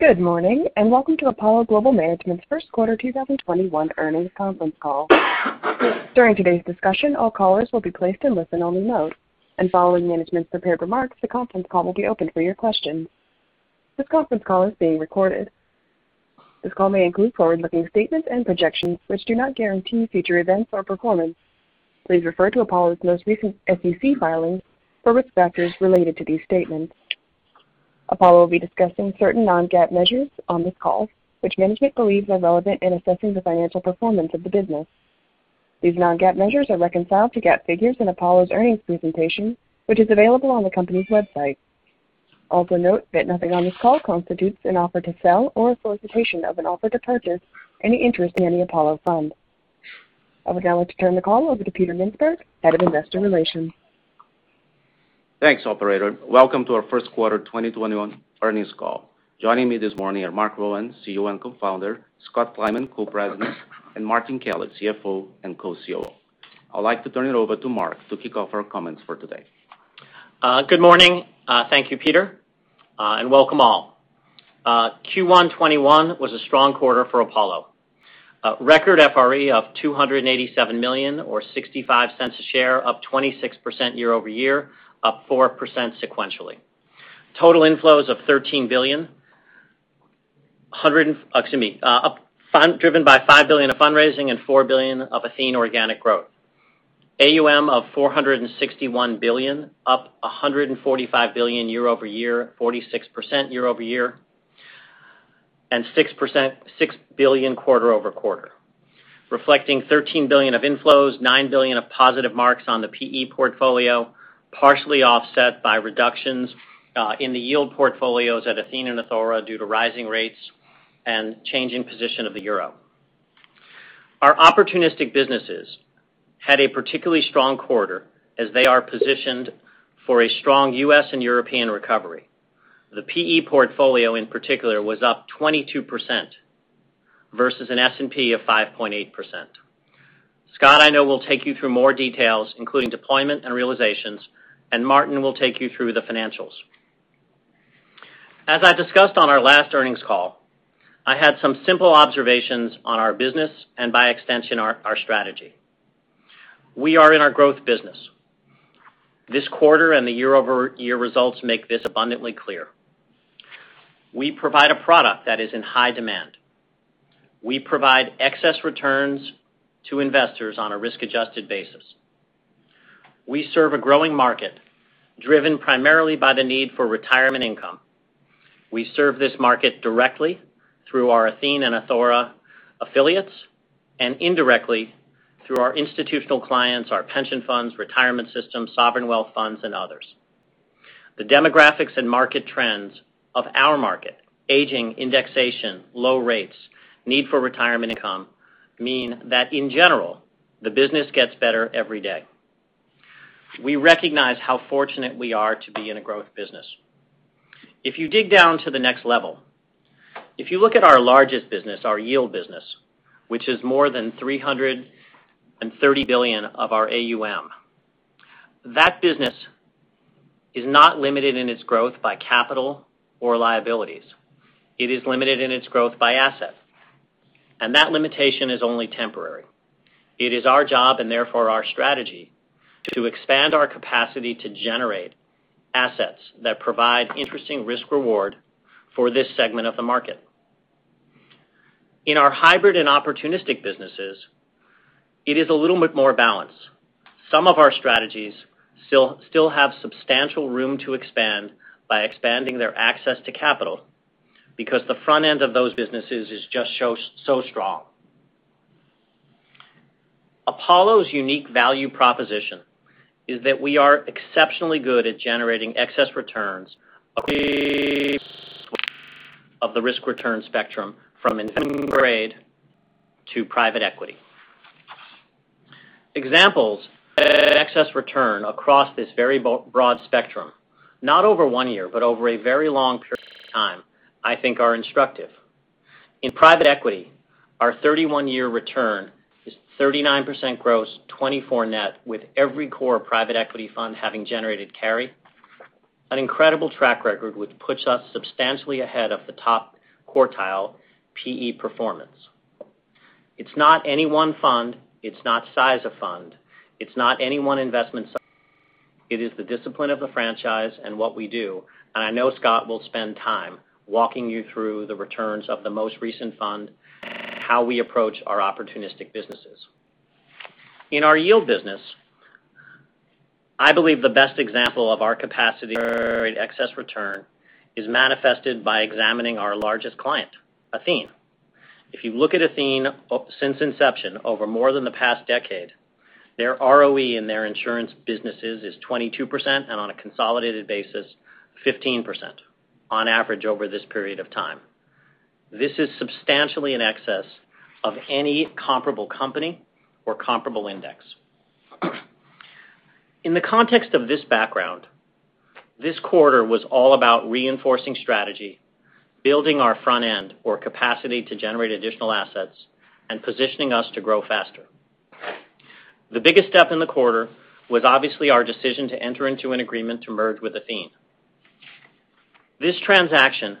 Good morning, welcome to Apollo Global Management's first quarter 2021 earnings conference call. During today's discussion, all callers will be placed in listen-only mode. Following management's prepared remarks, the conference call will be open for your questions. This conference call is being recorded. This call may include forward-looking statements and projections, which do not guarantee future events or performance. Please refer to Apollo's most recent SEC filings for risk factors related to these statements. Apollo will be discussing certain non-GAAP measures on this call, which management believes are relevant in assessing the financial performance of the business. These non-GAAP measures are reconciled to GAAP figures in Apollo's earnings presentation, which is available on the company's website. Note that nothing on this call constitutes an offer to sell or a solicitation of an offer to purchase any interest in the Apollo fund. I would now like to turn the call over to Peter Mintzberg, head of investor relations. Thanks, operator. Welcome to our first quarter 2021 earnings call. Joining me this morning are Marc Rowan, CEO and Co-Founder, Scott Kleinman, Co-President, and Martin Kelly, CFO and Co-COO. I'd like to turn it over to Marc to kick off our comments for today. Good morning. Thank you, Peter. Welcome all. Q1 2021 was a strong quarter for Apollo. Record FRE of $287 million or $0.65 a share, up 26% year-over-year, up 4% sequentially. Total inflows of $13 billion. Excuse me. Driven by $5 billion of fundraising and $4 billion of Athene organic growth. AUM of $461 billion, up $145 billion year-over-year, 46% year-over-year, and 6%, $6 billion quarter-over-quarter. Reflecting $13 billion of inflows, $9 billion of positive marks on the PE portfolio, partially offset by reductions in the yield portfolios at Athene and Athora due to rising rates and changing position of the euro. Our opportunistic businesses had a particularly strong quarter as they are positioned for a strong U.S. and European recovery. The PE portfolio, in particular, was up 22% versus an S&P of 5.8%. Scott, I know will take you through more details, including deployment and realizations, and Martin will take you through the financials. As I discussed on our last earnings call, I had some simple observations on our business and by extension, our strategy. We are in our growth business. This quarter and the year-over-year results make this abundantly clear. We provide a product that is in high demand. We provide excess returns to investors on a risk-adjusted basis. We serve a growing market driven primarily by the need for retirement income. We serve this market directly through our Athene and Athora affiliates, and indirectly through our institutional clients, our pension funds, retirement system, sovereign wealth funds, and others. The demographics and market trends of our market, aging, indexation, low rates, need for retirement income mean that in general, the business gets better every day. We recognize how fortunate we are to be in a growth business. If you dig down to the next level, if you look at our largest business, our yield business, which is more than $330 billion of our AUM, that business is not limited in its growth by capital or liabilities. It is limited in its growth by asset, and that limitation is only temporary. It is our job and therefore our strategy to expand our capacity to generate assets that provide interesting risk reward for this segment of the market. In our hybrid and opportunistic businesses, it is a little bit more balanced. Some of our strategies still have substantial room to expand by expanding their access to capital because the front end of those businesses is just so strong. Apollo's unique value proposition is that we are exceptionally good at generating excess returns across of the risk-return spectrum, from investment grade to private equity. Examples of excess return across this very broad spectrum, not over one year, but over a very long period of time, I think, are instructive. In private equity, our 31-year return is 39% gross, 24% net, with every core private equity fund having generated carry. An incredible track record which puts us substantially ahead of the top quartile PE performance. It's not any one fund, it's not size of fund, it's not any one investment. It is the discipline of the franchise and what we do. I know Scott will spend time walking you through the returns of the most recent fund and how we approach our opportunistic businesses. In our yield business, I believe the best example of our capacity to generate excess return is manifested by examining our largest client, Athene. If you look at Athene, since inception over more than the past decade, their ROE in their insurance businesses is 22%, and on a consolidated basis, 15% on average over this period of time. This is substantially in excess of any comparable company or comparable index. In the context of this background, this quarter was all about reinforcing strategy, building our front end or capacity to generate additional assets, and positioning us to grow faster. The biggest step in the quarter was obviously our decision to enter into an agreement to merge with Athene. This transaction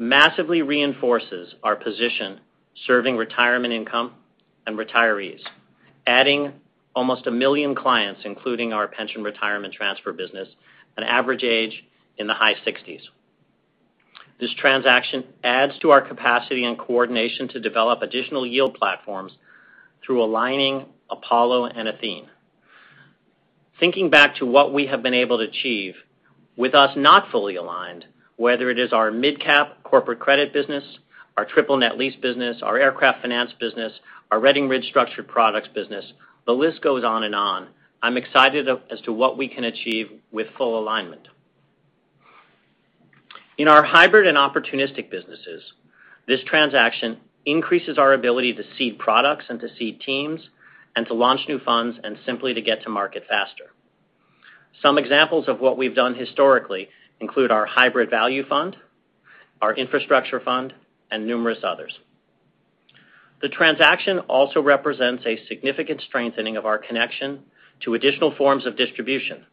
massively reinforces our position serving retirement income and retirees, adding almost a million clients, including our pension retirement transfer business, an average age in the high 60s. This transaction adds to our capacity and coordination to develop additional yield platforms through aligning Apollo and Athene. Thinking back to what we have been able to achieve with us not fully aligned, whether it is our midcap corporate credit business, our triple net lease business, our aircraft finance business, our Redding Ridge Structured Products business, the list goes on and on. I'm excited as to what we can achieve with full alignment. In our Hybrid and Opportunistic businesses, this transaction increases our ability to seed products and to seed teams and to launch new funds and simply to get to market faster. Some examples of what we've done historically include our Hybrid Value Fund, our Infrastructure Fund, and numerous others. The transaction also represents a significant strengthening of our connection to additional forms of distribution,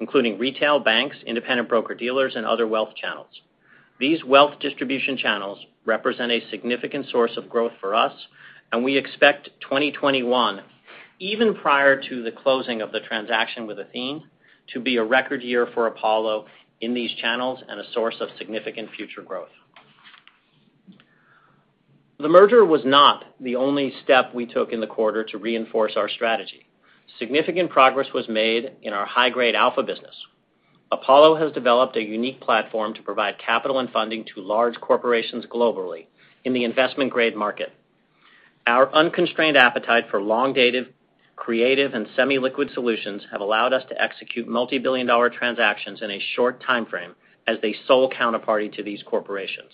including retail banks, independent broker-dealers, and other wealth channels. These wealth distribution channels represent a significant source of growth for us, and we expect 2021, even prior to the closing of the transaction with Athene, to be a record year for Apollo in these channels and a source of significant future growth. The merger was not the only step we took in the quarter to reinforce our strategy. Significant progress was made in our high-grade alpha business. Apollo has developed a unique platform to provide capital and funding to large corporations globally in the investment-grade market. Our unconstrained appetite for long-dated, creative, and semi-liquid solutions have allowed us to execute multi-billion-dollar transactions in a short timeframe as the sole counterparty to these corporations.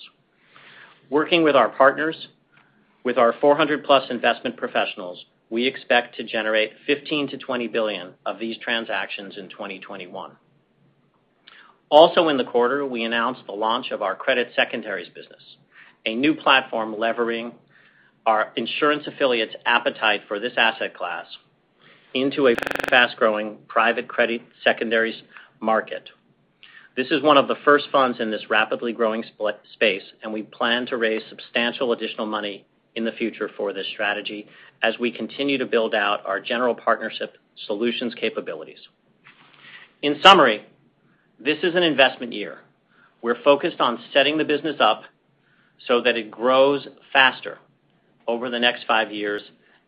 Working with our partners, with our 400+ investment professionals, we expect to generate $15 billion-$20 billion of these transactions in 2021. Also in the quarter, we announced the launch of our credit secondaries business, a new platform leveraging our insurance affiliate's appetite for this asset class into a fast-growing private credit secondaries market. This is one of the first funds in this rapidly growing space, and we plan to raise substantial additional money in the future for this strategy as we continue to build out our general partnership solutions capabilities. In summary, this is an investment year. We're focused on setting the business up so that it grows faster over the next five years,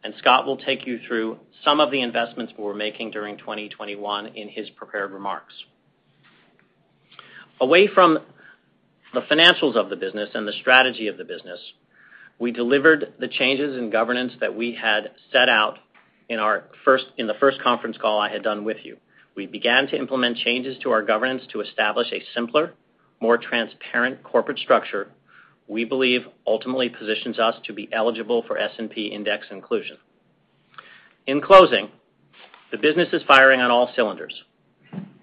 and Scott will take you through some of the investments we're making during 2021 in his prepared remarks. Away from the financials of the business and the strategy of the business, we delivered the changes in governance that we had set out in the first conference call I had done with you. We began to implement changes to our governance to establish a simpler, more transparent corporate structure we believe ultimately positions us to be eligible for S&P Index inclusion. In closing, the business is firing on all cylinders.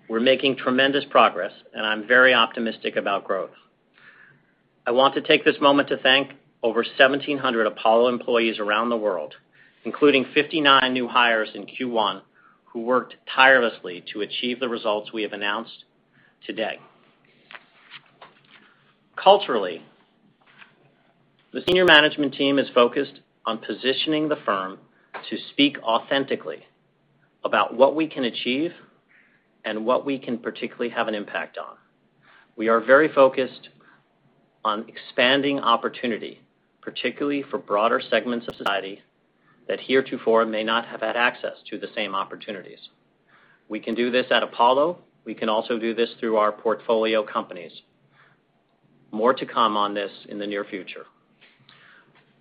We're making tremendous progress, and I'm very optimistic about growth. I want to take this moment to thank over 1,700 Apollo employees around the world, including 59 new hires in Q1, who worked tirelessly to achieve the results we have announced today. Culturally, the Senior Management team is focused on positioning the firm to speak authentically about what we can achieve and what we can particularly have an impact on. We are very focused on expanding opportunity, particularly for broader segments of society that heretofore may not have had access to the same opportunities. We can do this at Apollo. We can also do this through our portfolio companies. More to come on this in the near future.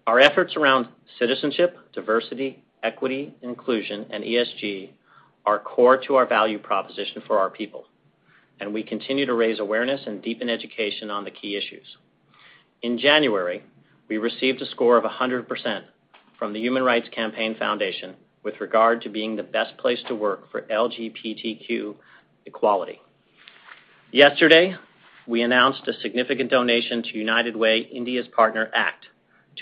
Our efforts around citizenship, diversity, equity, inclusion, and ESG are core to our value proposition for our people, and we continue to raise awareness and deepen education on the key issues. In January, we received a score of 100% from the Human Rights Campaign Foundation with regard to being the Best Place to Work for LGBTQ Equality. Yesterday, we announced a significant donation to United Way India's Partner ACT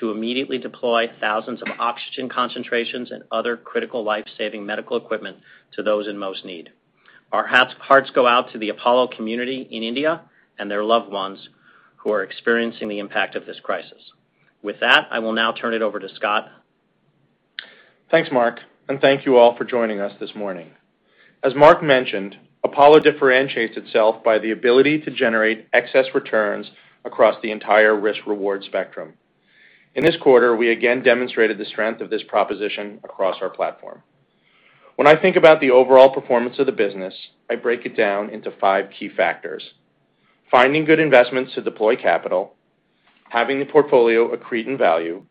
to immediately deploy thousands of oxygen concentrations and other critical life-saving medical equipment to those in most need. Our hearts go out to the Apollo community in India and their loved ones who are experiencing the impact of this crisis. With that, I will now turn it over to Scott. Thanks, Marc, and thank you all for joining us this morning. As Marc mentioned, Apollo differentiates itself by the ability to generate excess returns across the entire risk-reward spectrum. In this quarter, we again demonstrated the strength of this proposition across our platform. When I think about the overall performance of the business, I break it down into five key factors: finding good investments to deploy capital, having the portfolio accrete in value,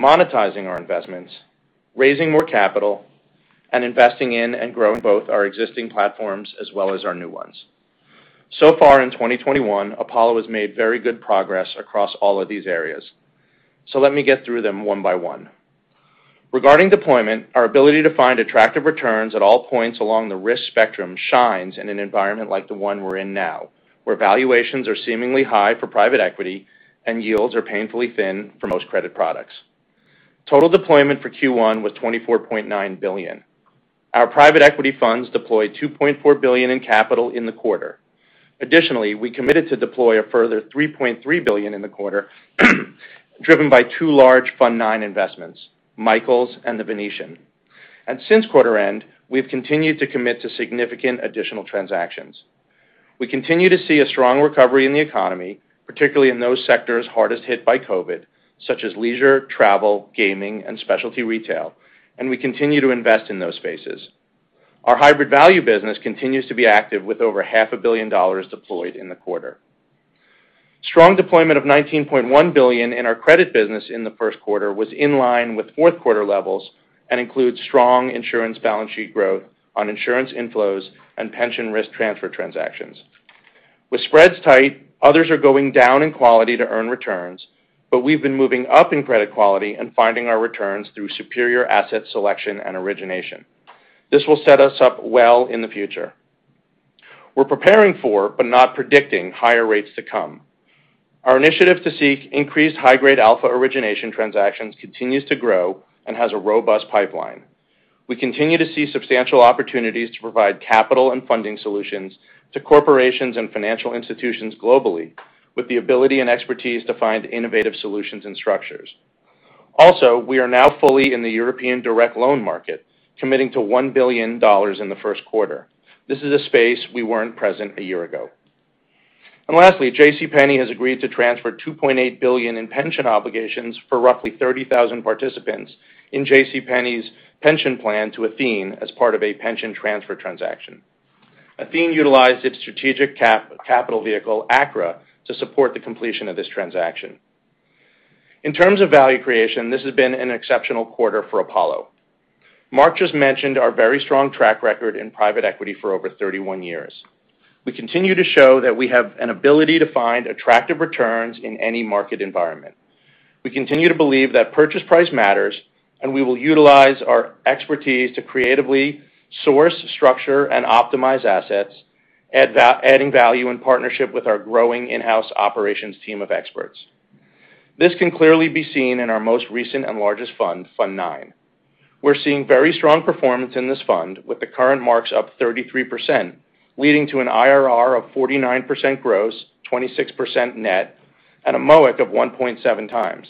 monetizing our investments, raising more capital, and investing in and growing both our existing platforms as well as our new ones. So far in 2021, Apollo has made very good progress across all of these areas. Let me get through them one by one. Regarding deployment, our ability to find attractive returns at all points along the risk spectrum shines in an environment like the one we're in now, where valuations are seemingly high for private equity and yields are painfully thin for most credit products. Total deployment for Q1 was $24.9 billion. Our private equity funds deployed $2.4 billion in capital in the quarter. Additionally, we committed to deploy a further $3.3 billion in the quarter, driven by two large Fund IX investments, Michaels and The Venetian. Since quarter end, we've continued to commit to significant additional transactions. We continue to see a strong recovery in the economy, particularly in those sectors hardest hit by COVID, such as leisure, travel, gaming, and specialty retail, and we continue to invest in those spaces. Our Hybrid Value business continues to be active with over $500 million deployed in the quarter. Strong deployment of $19.1 billion in our credit business in the first quarter was in line with fourth quarter levels and includes strong insurance balance sheet growth on insurance inflows and pension risk transfer transactions. With spreads tight, others are going down in quality to earn returns, but we've been moving up in credit quality and finding our returns through superior asset selection and origination. This will set us up well in the future. We're preparing for, but not predicting higher rates to come. Our initiative to seek increased high-grade alpha origination transactions continues to grow and has a robust pipeline. We continue to see substantial opportunities to provide capital and funding solutions to corporations and financial institutions globally with the ability and expertise to find innovative solutions and structures. We are now fully in the European direct loan market, committing to $1 billion in the first quarter. This is a space we weren't present a year ago. Lastly, J.C. Penney has agreed to transfer $2.8 billion in pension obligations for roughly 30,000 participants in J.C. Penney's pension plan to Athene as part of a pension transfer transaction. Athene utilized its strategic capital vehicle, ACRA, to support the completion of this transaction. In terms of value creation, this has been an exceptional quarter for Apollo. Marc just mentioned our very strong track record in private equity for over 31 years. We continue to show that we have an ability to find attractive returns in any market environment. We continue to believe that purchase price matters. We will utilize our expertise to creatively source, structure, and optimize assets, adding value in partnership with our growing in-house operations team of experts. This can clearly be seen in our most recent and largest fund, Fund IX. We're seeing very strong performance in this fund with the current marks up 33%, leading to an IRR of 49% gross, 26% net, and a MOIC of 1.7x.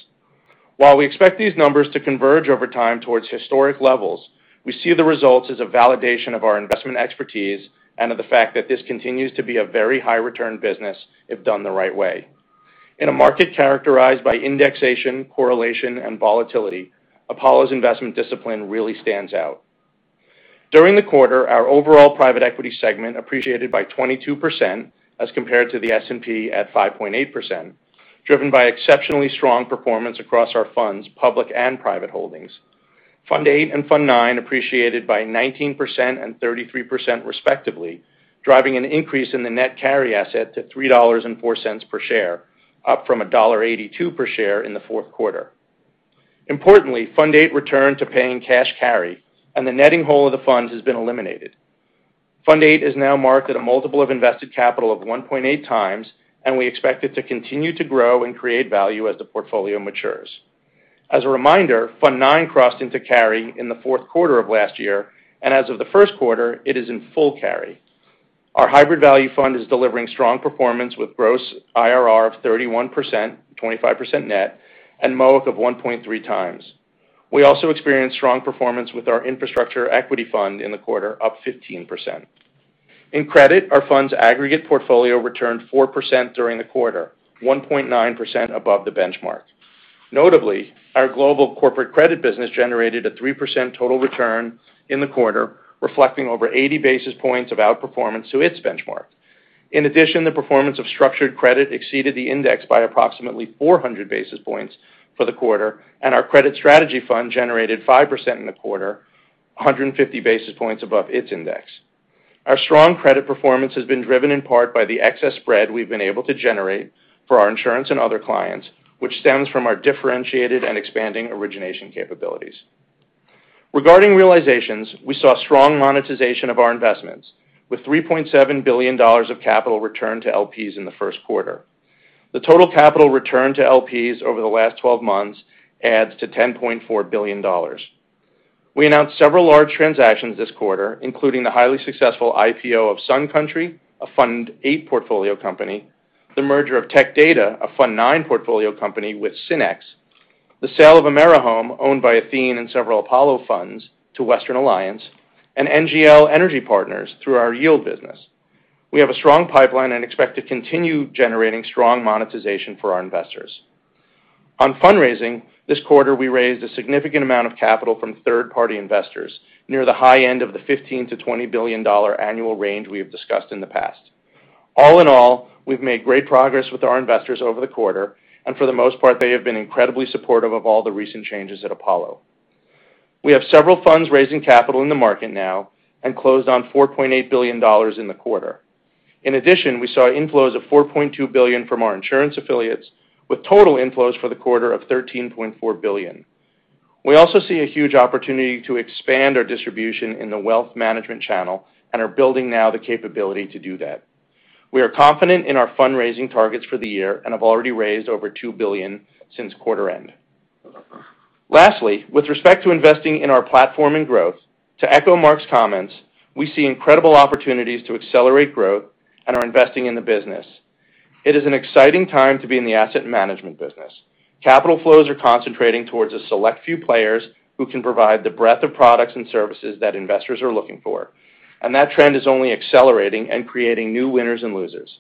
While we expect these numbers to converge over time towards historic levels, we see the results as a validation of our investment expertise and of the fact that this continues to be a very high return business if done the right way. In a market characterized by indexation, correlation, and volatility, Apollo's investment discipline really stands out. During the quarter, our overall private equity segment appreciated by 22% as compared to the S&P at 5.8%, driven by exceptionally strong performance across our funds, public and private holdings. Fund VIII and Fund IX appreciated by 19% and 33% respectively, driving an increase in the net carry asset to $3.04 per share, up from $1.82 per share in the fourth quarter. Importantly, Fund VIII returned to paying cash carry, and the netting hole of the funds has been eliminated. Fund VIII is now marked at a multiple of invested capital of 1.8x, and we expect it to continue to grow and create value as the portfolio matures. As a reminder, Fund IX crossed into carry in the fourth quarter of last year, and as of the first quarter, it is in full carry. Our hybrid value fund is delivering strong performance with gross IRR of 31%, 25% net, and MOIC of 1.3x. We also experienced strong performance with our infrastructure equity fund in the quarter, up 15%. In credit, our fund's aggregate portfolio returned 4% during the quarter, 1.9% above the benchmark. Notably, our global corporate credit business generated a 3% total return in the quarter, reflecting over 80 basis points of outperformance to its benchmark. In addition, the performance of structured credit exceeded the index by approximately 400 basis points for the quarter, and our credit strategy fund generated 5% in the quarter, 150 basis points above its index. Our strong credit performance has been driven in part by the excess spread we've been able to generate for our insurance and other clients, which stems from our differentiated and expanding origination capabilities. Regarding realizations, we saw strong monetization of our investments, with $3.7 billion of capital returned to LPs in the first quarter. The total capital returned to LPs over the last 12 months adds to $10.4 billion. We announced several large transactions this quarter, including the highly successful IPO of Sun Country, a Fund VIII portfolio company, the merger of Tech Data, a Fund IX portfolio company, with SYNNEX, the sale of AmeriHome, owned by Athene and several Apollo funds, to Western Alliance, and NGL Energy Partners through our yield business. We have a strong pipeline and expect to continue generating strong monetization for our investors. On fundraising, this quarter we raised a significant amount of capital from third-party investors, near the high end of the $15 billion-$20 billion annual range we have discussed in the past. All in all, we've made great progress with our investors over the quarter, and for the most part they have been incredibly supportive of all the recent changes at Apollo. We have several funds raising capital in the market now and closed on $4.8 billion in the quarter. In addition, we saw inflows of $4.2 billion from our insurance affiliates, with total inflows for the quarter of $13.4 billion. We also see a huge opportunity to expand our distribution in the wealth management channel and are building now the capability to do that. We are confident in our fundraising targets for the year and have already raised over $2 billion since quarter end. Lastly, with respect to investing in our platform and growth, to echo Marc's comments, we see incredible opportunities to accelerate growth and are investing in the business. It is an exciting time to be in the asset management business. Capital flows are concentrating towards a select few players who can provide the breadth of products and services that investors are looking for. That trend is only accelerating and creating new winners and losers.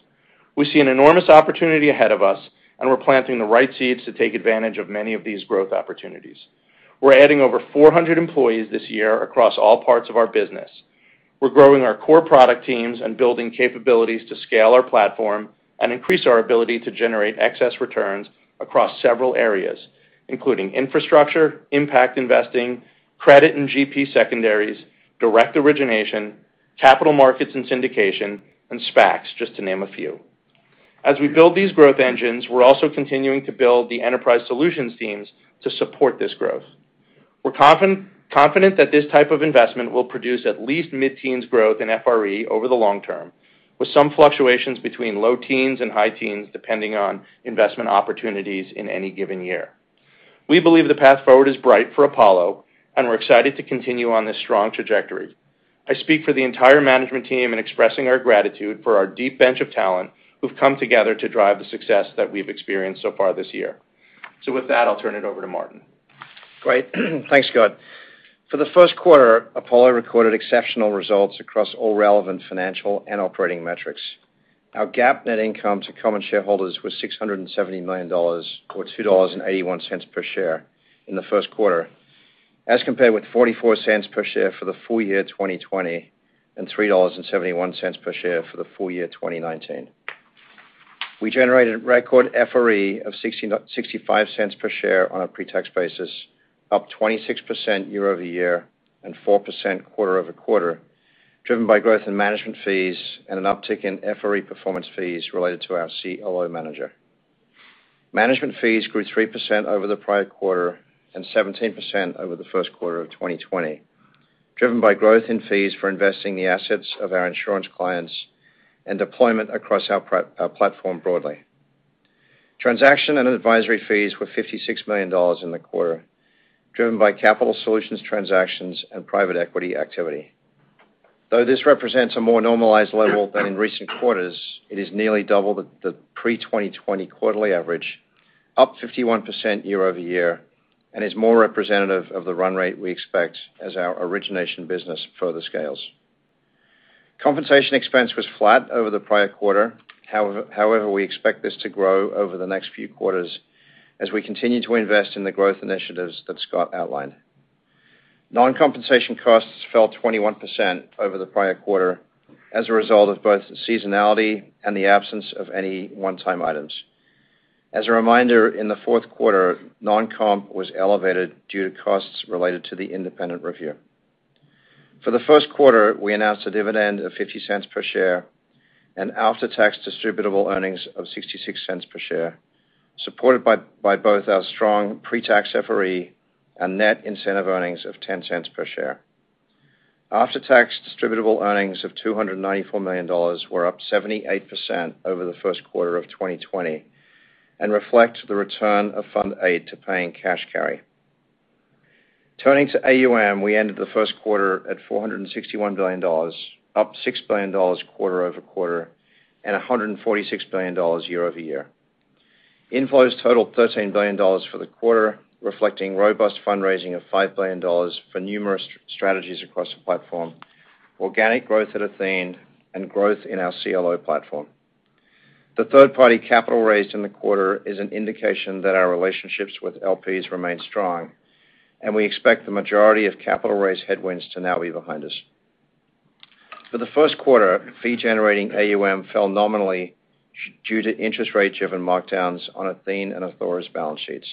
We see an enormous opportunity ahead of us. We're planting the right seeds to take advantage of many of these growth opportunities. We're adding over 400 employees this year across all parts of our business. We're growing our core product teams and building capabilities to scale our platform and increase our ability to generate excess returns across several areas, including infrastructure, impact investing, credit and GP secondaries, direct origination, capital markets and syndication, and SPACs, just to name a few. As we build these growth engines, we're also continuing to build the enterprise solutions teams to support this growth. We're confident that this type of investment will produce at least mid-teens growth in FRE over the long term, with some fluctuations between low teens and high teens, depending on investment opportunities in any given year. We believe the path forward is bright for Apollo, and we're excited to continue on this strong trajectory. I speak for the entire management team in expressing our gratitude for our deep bench of talent who've come together to drive the success that we've experienced so far this year. With that, I'll turn it over to Martin. Great. Thanks, Scott. For the first quarter, Apollo recorded exceptional results across all relevant financial and operating metrics. Our GAAP net income to common shareholders was $670 million, or $2.81 per share in the first quarter, as compared with $0.44 per share for the full year 2020 and $3.71 per share for the full year 2019. We generated record FRE of $0.65 per share on a pre-tax basis, up 26% year-over-year and 4% quarter-over-quarter, driven by growth in management fees and an uptick in FRE performance fees related to our CLO manager. Management fees grew 3% over the prior quarter and 17% over the first quarter of 2020, driven by growth in fees for investing the assets of our insurance clients and deployment across our platform broadly. Transaction and advisory fees were $56 million in the quarter, driven by capital solutions transactions and private equity activity. This represents a more normalized level than in recent quarters, it is nearly double the pre-2020 quarterly average, up 51% year-over-year, and is more representative of the run rate we expect as our origination business further scales. Compensation expense was flat over the prior quarter. However, we expect this to grow over the next few quarters as we continue to invest in the growth initiatives that Scott outlined. Non-compensation costs fell 21% over the prior quarter as a result of both seasonality and the absence of any one-time items. As a reminder, in the fourth quarter, non-comp was elevated due to costs related to the independent review. For the first quarter, we announced a dividend of $0.50 per share and after-tax distributable earnings of $0.66 per share, supported by both our strong pre-tax FRE and net incentive earnings of $0.10 per share. After-tax distributable earnings of $294 million were up 78% over the first quarter of 2020 and reflect the return of Fund VIII to paying cash carry. Turning to AUM, we ended the first quarter at $461 billion, up $6 billion quarter-over-quarter and $146 billion year-over-year. Inflows totaled $13 billion for the quarter, reflecting robust fundraising of $5 billion for numerous strategies across the platform, organic growth at Athene, and growth in our CLO platform. The third-party capital raised in the quarter is an indication that our relationships with LPs remain strong. We expect the majority of capital raise headwinds to now be behind us. For the first quarter, fee-generating AUM fell nominally due to interest rate-driven markdowns on Athene and Athora's balance sheets.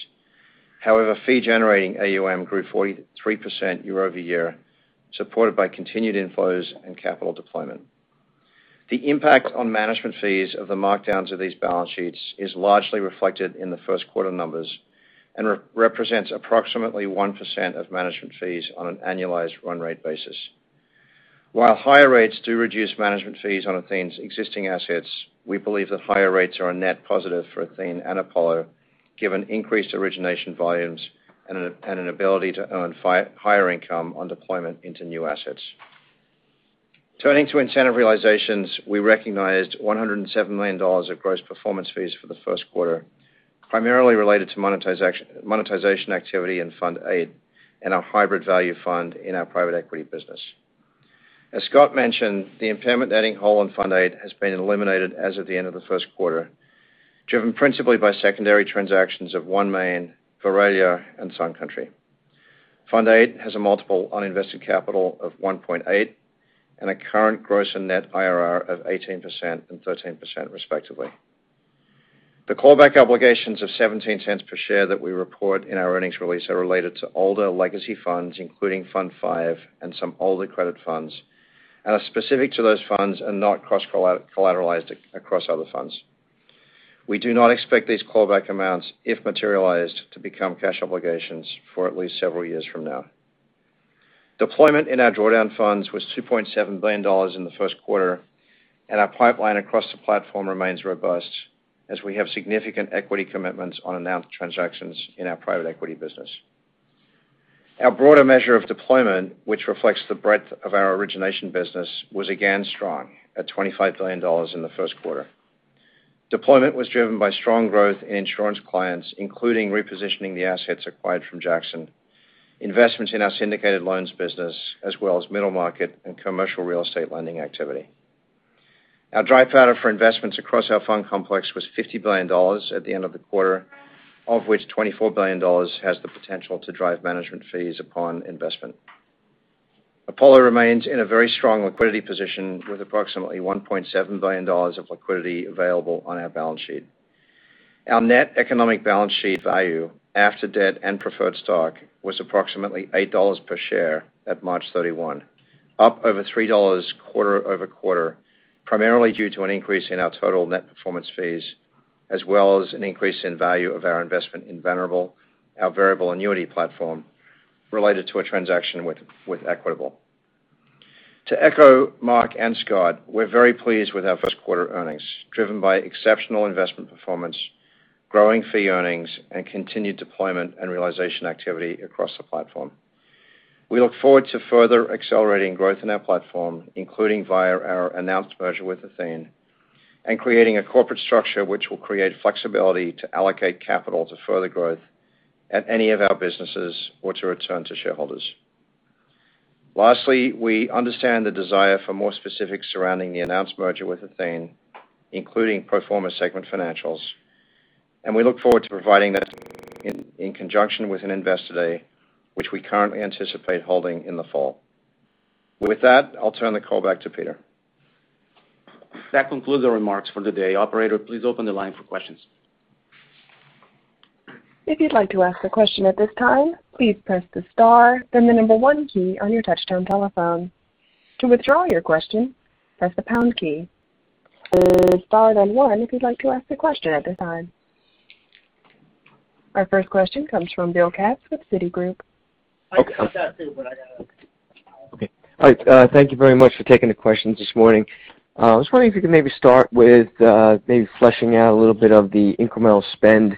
However, fee-generating AUM grew 43% year-over-year, supported by continued inflows and capital deployment. The impact on management fees of the markdowns of these balance sheets is largely reflected in the first quarter numbers and re-represents approximately 1% of management fees on an annualized run-rate basis. While higher rates do reduce management fees on Athene's existing assets, we believe that higher rates are a net positive for Athene and Apollo, given increased origination volumes and an ability to earn higher income on deployment into new assets. Turning to incentive realizations, we recognized $107 million of gross performance fees for the first quarter, primarily related to monetization activity in Fund VIII and our hybrid value fund in our private equity business. As Scott mentioned, the impairment netting hole in Fund VIII has been eliminated as of the end of the first quarter, driven principally by secondary transactions of OneMain, Verallia, and Sun Country. Fund VIII has a multiple uninvested capital of 1.8x and a current gross and net IRR of 18% and 13% respectively. The callback obligations of $0.17 per share that we report in our earnings release are related to older legacy funds, including Fund V and some older credit funds, and are specific to those funds and not cross-collateralized across other funds. We do not expect these callback amounts, if materialized, to become cash obligations for at least several years from now. Deployment in our drawdown funds was $2.7 billion in the first quarter, and our pipeline across the platform remains robust as we have significant equity commitments on announced transactions in our private equity business. Our broader measure of deployment, which reflects the breadth of our origination business, was again strong at $25 billion in the first quarter. Deployment was driven by strong growth in insurance clients, including repositioning the assets acquired from Jackson, investments in our syndicated loans business, as well as middle market and commercial real estate lending activity. Our dry powder for investments across our fund complex was $50 billion at the end of the quarter, of which $24 billion has the potential to drive management fees upon investment. Apollo remains in a very strong liquidity position with approximately $1.7 billion of liquidity available on our balance sheet. Our net economic balance sheet value after debt and preferred stock was approximately $8 per share at March 31, up over $3 quarter-over-quarter, primarily due to an increase in our total net performance fees, as well as an increase in value of our investment in Venerable, our variable annuity platform, related to a transaction with Equitable. To echo Marc and Scott, we're very pleased with our first quarter earnings, driven by exceptional investment performance, growing fee earnings, and continued deployment and realization activity across the platform. We look forward to further accelerating growth in our platform, including via our announced merger with Athene, and creating a corporate structure which will create flexibility to allocate capital to further growth at any of our businesses or to return to shareholders. Lastly, we understand the desire for more specifics surrounding the announced merger with Athene, including pro forma segment financials, and we look forward to providing that in conjunction with an Investor Day, which we currently anticipate holding in the fall. With that, I'll turn the call back to Peter. That concludes the remarks for the day. Operator, please open the line for questions. If you'd like to ask a question at this time, please press the star, then the number one key on your touch-tone telephone. To withdraw your question, press the pound key. Star, then one, if you'd like to ask a question at this time. Our first question comes from Bill Katz with Citigroup. Okay. I've got it too, but I gotta. Okay. All right, thank you very much for taking the questions this morning. I was wondering if you could maybe start with, maybe fleshing out a little bit of the incremental spend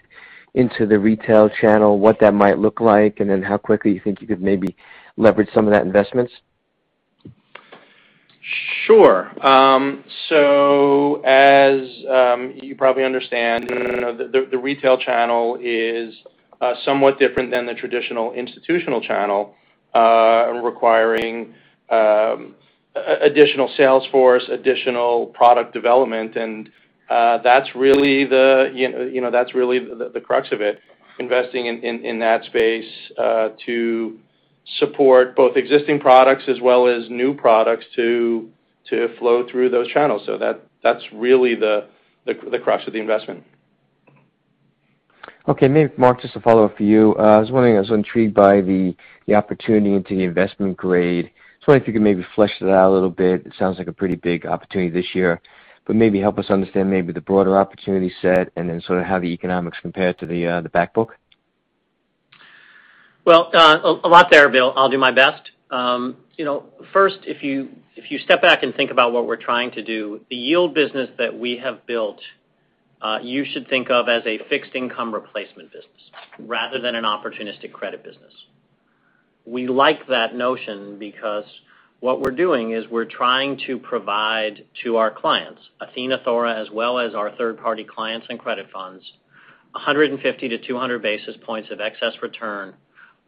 into the retail channel, what that might look like, and then how quickly you think you could maybe leverage some of that investments. Sure. As you probably understand, the retail channel is somewhat different than the traditional institutional channel, requiring additional sales force, additional product development, and that's really the, you know, crux of it, investing in that space, to support both existing products as well as new products to flow through those channels. That's really the crux of the investment. Okay. Maybe, Marc, just a follow-up for you. I was wondering, I was intrigued by the opportunity into the investment grade. Just wondering if you could maybe flesh that out a little bit. It sounds like a pretty big opportunity this year. Maybe help us understand maybe the broader opportunity set, and then sort of how the economics compare to the back book. Well, a lot there, Bill. I'll do my best. You know, first, if you step back and think about what we're trying to do, the yield business that we have built, you should think of as a fixed income replacement business rather than an opportunistic credit business. We like that notion because what we're doing is we're trying to provide to our clients, Athene, Athora, as well as our third-party clients and credit funds, 150 basis points-200 basis points of excess return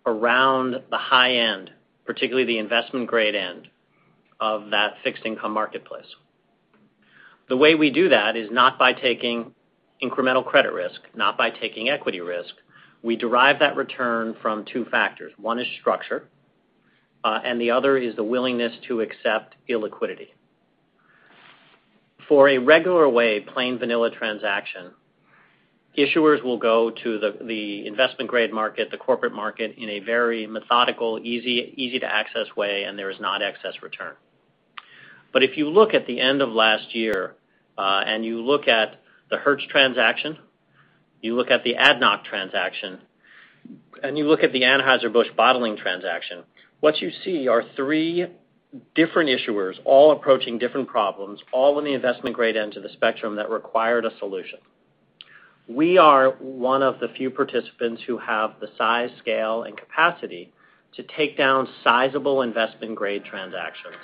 around the high end, particularly the investment grade end of that fixed income marketplace. The way we do that is not by taking incremental credit risk, not by taking equity risk. We derive that return from two factors. One is structure, and the other is the willingness to accept illiquidity. For a regular way, plain vanilla transaction, issuers will go to the investment grade market, the corporate market, in a very methodical, easy-to-access way. There is not excess return. If you look at the end of last year, you look at the Hertz transaction, you look at the ADNOC transaction, and you look at the Anheuser-Busch Bottling transaction, what you see are three different issuers all approaching different problems, all in the investment grade end of the spectrum that required a solution. We are one of the few participants who have the size, scale, and capacity to take down sizable investment grade transactions.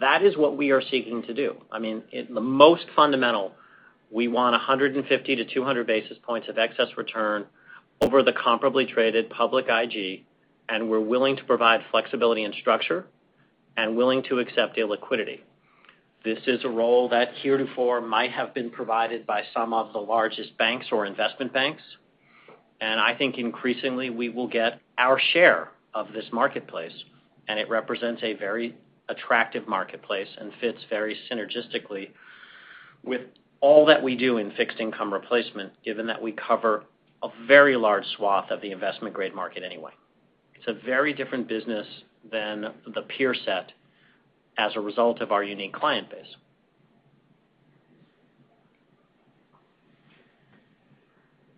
That is what we are seeking to do. I mean, the most fundamental, we want 150basis points-200 basis points of excess return over the comparably traded public IG, and we're willing to provide flexibility and structure and willing to accept illiquidity. This is a role that heretofore might have been provided by some of the largest banks or investment banks, and I think increasingly we will get our share of this marketplace, and it represents a very attractive marketplace and fits very synergistically with all that we do in fixed income replacement, given that we cover a very large swath of the investment grade market anyway. It's a very different business than the peer set as a result of our unique client base.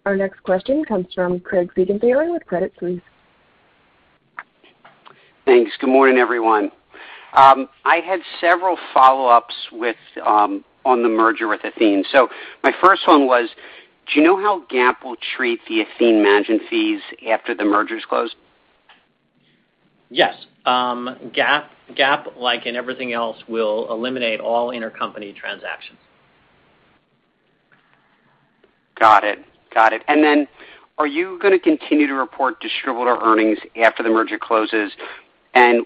Our next question comes from Craig Siegenthaler with Credit Suisse. Thanks. Good morning, everyone. I had several follow-ups with, on the merger with Athene. My first one was, do you know how GAAP will treat the Athene management fees after the merger is closed? Yes. GAAP like in everything else, will eliminate all intercompany transactions. Got it. Got it. Are you gonna continue to report distributable earnings after the merger closes?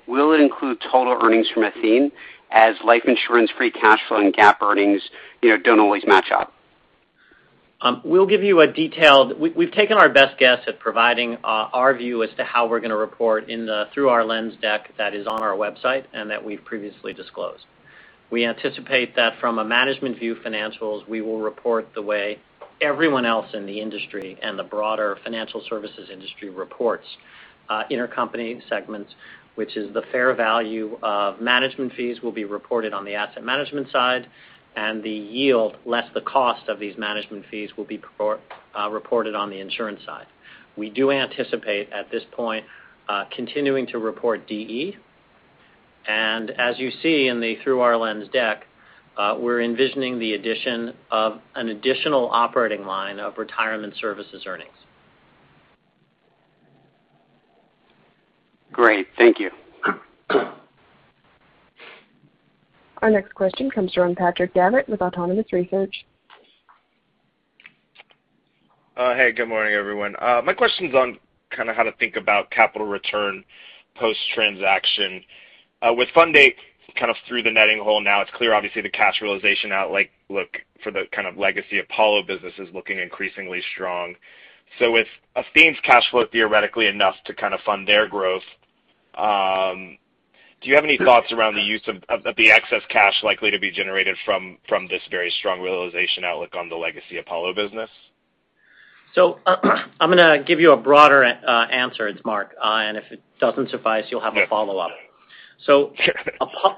Will it include total earnings from Athene as life insurance, free cash flow, and GAAP earnings, you know, don't always match up? We'll give you a detailed, we've taken our best guess at providing our view as to how we're gonna report in the Through Our Lens deck that is on our website and that we've previously disclosed. We anticipate that from a management view financials, we will report the way everyone else in the industry and the broader financial services industry reports intercompany segments, which is the fair value of management fees will be reported on the asset management side, and the yield, less the cost of these management fees, will be reported on the insurance side. We do anticipate, at this point, continuing to report DE. As you see in the Through Our Lens deck, we're envisioning the addition of an additional operating line of retirement services earnings. Great. Thank you. Our next question comes from Patrick Davitt with Autonomous Research. Hey, good morning, everyone. My question's on kind of how to think about capital return post-transaction. With Fund VIII kind of through the netting hole now, it's clear obviously the cash realization out like look for the kind of legacy Apollo business is looking increasingly strong. With Athene's cash flow theoretically enough to kind of fund their growth, do you have any thoughts around the use of the excess cash likely to be generated from this very strong realization outlook on the legacy Apollo business? I'm gonna give you a broader, answer. It's Marc. If it doesn't suffice, you'll have a follow-up. Yeah.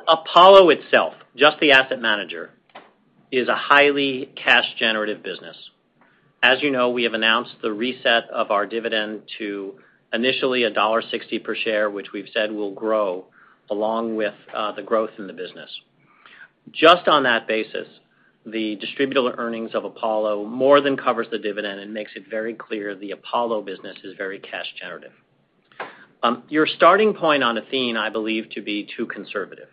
Apollo itself, just the asset manager, is a highly cash generative business. As you know, we have announced the reset of our dividend to initially $1.60 per share, which we've said will grow along with the growth in the business. Just on that basis, the distributable earnings of Apollo more than covers the dividend and makes it very clear the Apollo business is very cash generative. Your starting point on Athene, I believe to be too conservative.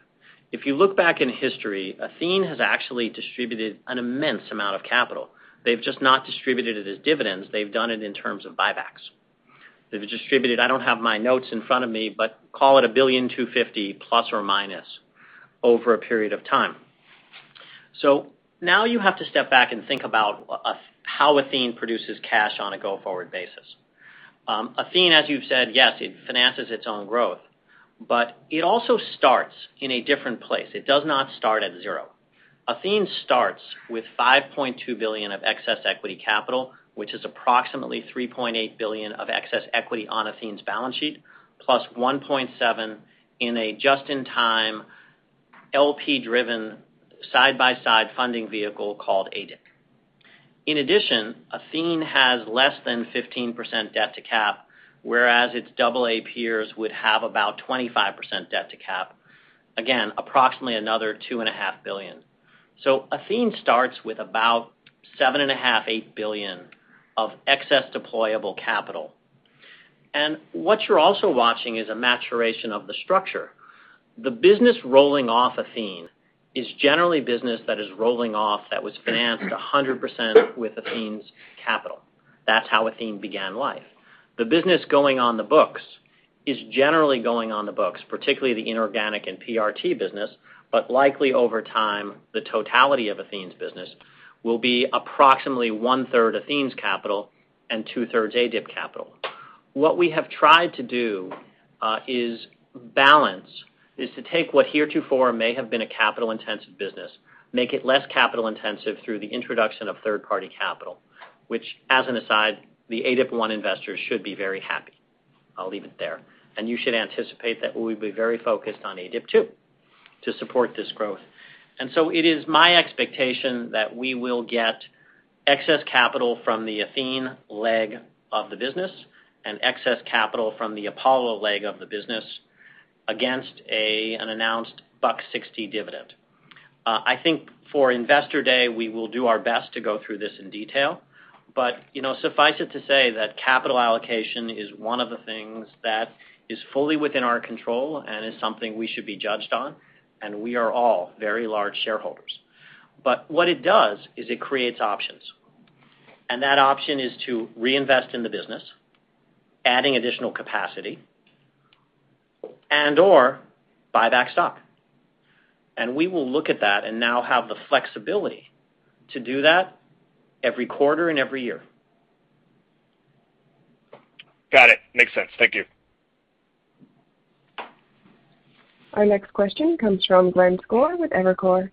If you look back in history, Athene has actually distributed an immense amount of capital. They've just not distributed it as dividends. They've done it in terms of buybacks. They've distributed, I don't have my notes in front of me, but call it $1.25 billion± over a period of time. Now you have to step back and think about how Athene produces cash on a go-forward basis. Athene, as you've said, yes, it finances its own growth. It also starts in a different place. It does not start at zero. Athene starts with $5.2 billion of excess equity capital, which is approximately $3.8 billion of excess equity on Athene's balance sheet, plus $1.7 billion in a just-in-time LP driven side-by-side funding vehicle called ADIP. In addition, Athene has less than 15% debt-to-cap, whereas its double-A peers would have about 25% debt-to-cap. Approximately another $2.5 billion. Athene starts with about $7.5 billion of excess deployable capital. What you're also watching is a maturation of the structure. The business rolling off Athene is generally business that is rolling off that was financed a hundred percent with Athene's capital. That's how Athene began life. The business going on the books is generally going on the books, particularly the inorganic and PRT business. Likely over time, the totality of Athene's business will be approximately 1/3 Athene's capital and 2/3 ADIP capital. What we have tried to do, is to take what heretofore may have been a capital-intensive business, make it less capital-intensive through the introduction of third-party capital, which as an aside, the ADIP I investors should be very happy. I'll leave it there. You should anticipate that we'll be very focused on ADIP II to support this growth. It is my expectation that we will get excess capital from the Athene leg of the business and excess capital from the Apollo leg of the business against an announced $1.60 dividend. I think for Investor Day, we will do our best to go through this in detail, but, you know, suffice it to say that capital allocation is one of the things that is fully within our control and is something we should be judged on, and we are all very large shareholders. What it does is it creates options, and that option is to reinvest in the business, adding additional capacity and/or buy back stock. We will look at that and now have the flexibility to do that every quarter and every year. Got it. Makes sense. Thank you. Our next question comes from Glenn Schorr with Evercore.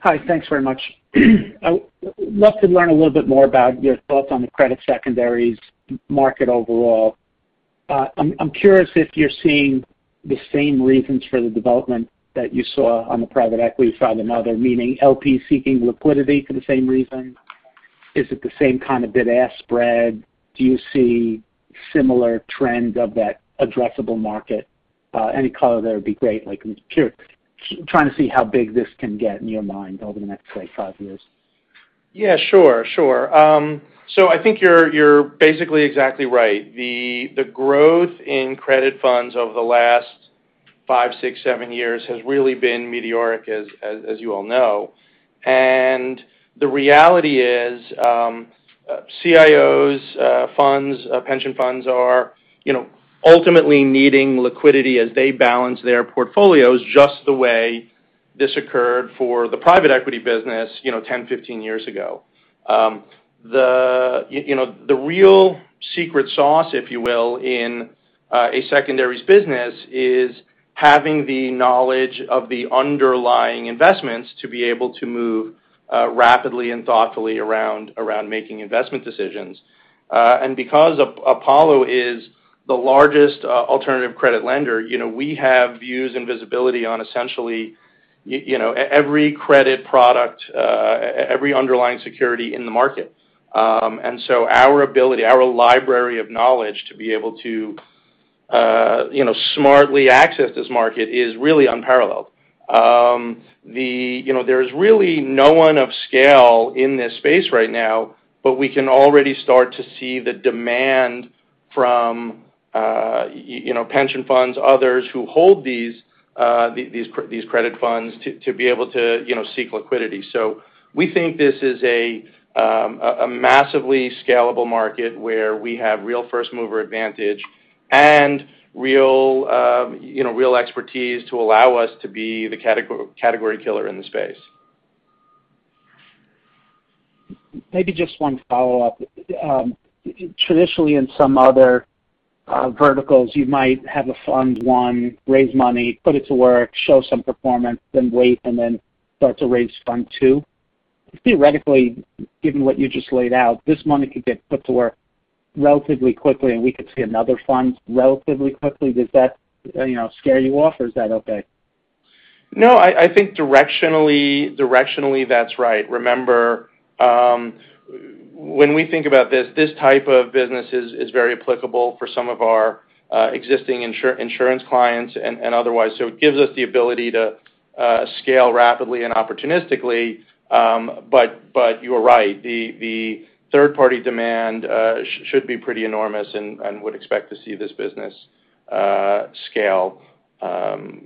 Hi. Thanks very much. Love to learn a little bit more about your thoughts on the credit secondaries market overall. I'm curious if you're seeing the same reasons for the development that you saw on the private equity side and other, meaning LP seeking liquidity for the same reason. Is it the same kind of bid-ask spread? Do you see similar trends of that addressable market? Any color there would be great. Like, I'm trying to see how big this can get in your mind over the next, say, five years. Yeah, sure. I think you're basically exactly right. The growth in credit funds over the last five, six, seven years has really been meteoric as you all know. The reality is, CIOs, funds, pension funds are, you know, ultimately needing liquidity as they balance their portfolios just the way this occurred for the private equity business, you know, 10, 15 years ago. The real secret sauce, if you will, in a secondaries business is having the knowledge of the underlying investments to be able to move rapidly and thoughtfully around making investment decisions. Because Apollo is the largest alternative credit lender, you know, we have views and visibility on essentially every credit product, every underlying security in the market. Our ability, our library of knowledge to be able to, you know, smartly access this market is really unparalleled. You know, there's really no one of scale in this space right now, but we can already start to see the demand from, you know, pension funds, others who hold these credit funds to be able to, you know, seek liquidity. We think this is a massively scalable market where we have real first mover advantage and real, you know, real expertise to allow us to be the category killer in the space. Maybe just one follow-up. Traditionally in some other verticals, you might have a Fund 1, raise money, put it to work, show some performance, then wait, and start to raise Fund 2. Theoretically, given what you just laid out, this money could get put to work relatively quickly, and we could see another fund relatively quickly. Does that, you know, scare you off, or is that okay? No, I think directionally, that's right. Remember, when we think about this type of business is very applicable for some of our existing insurance clients and otherwise. It gives us the ability to scale rapidly and opportunistically. You are right. The third party demand should be pretty enormous and would expect to see this business scale,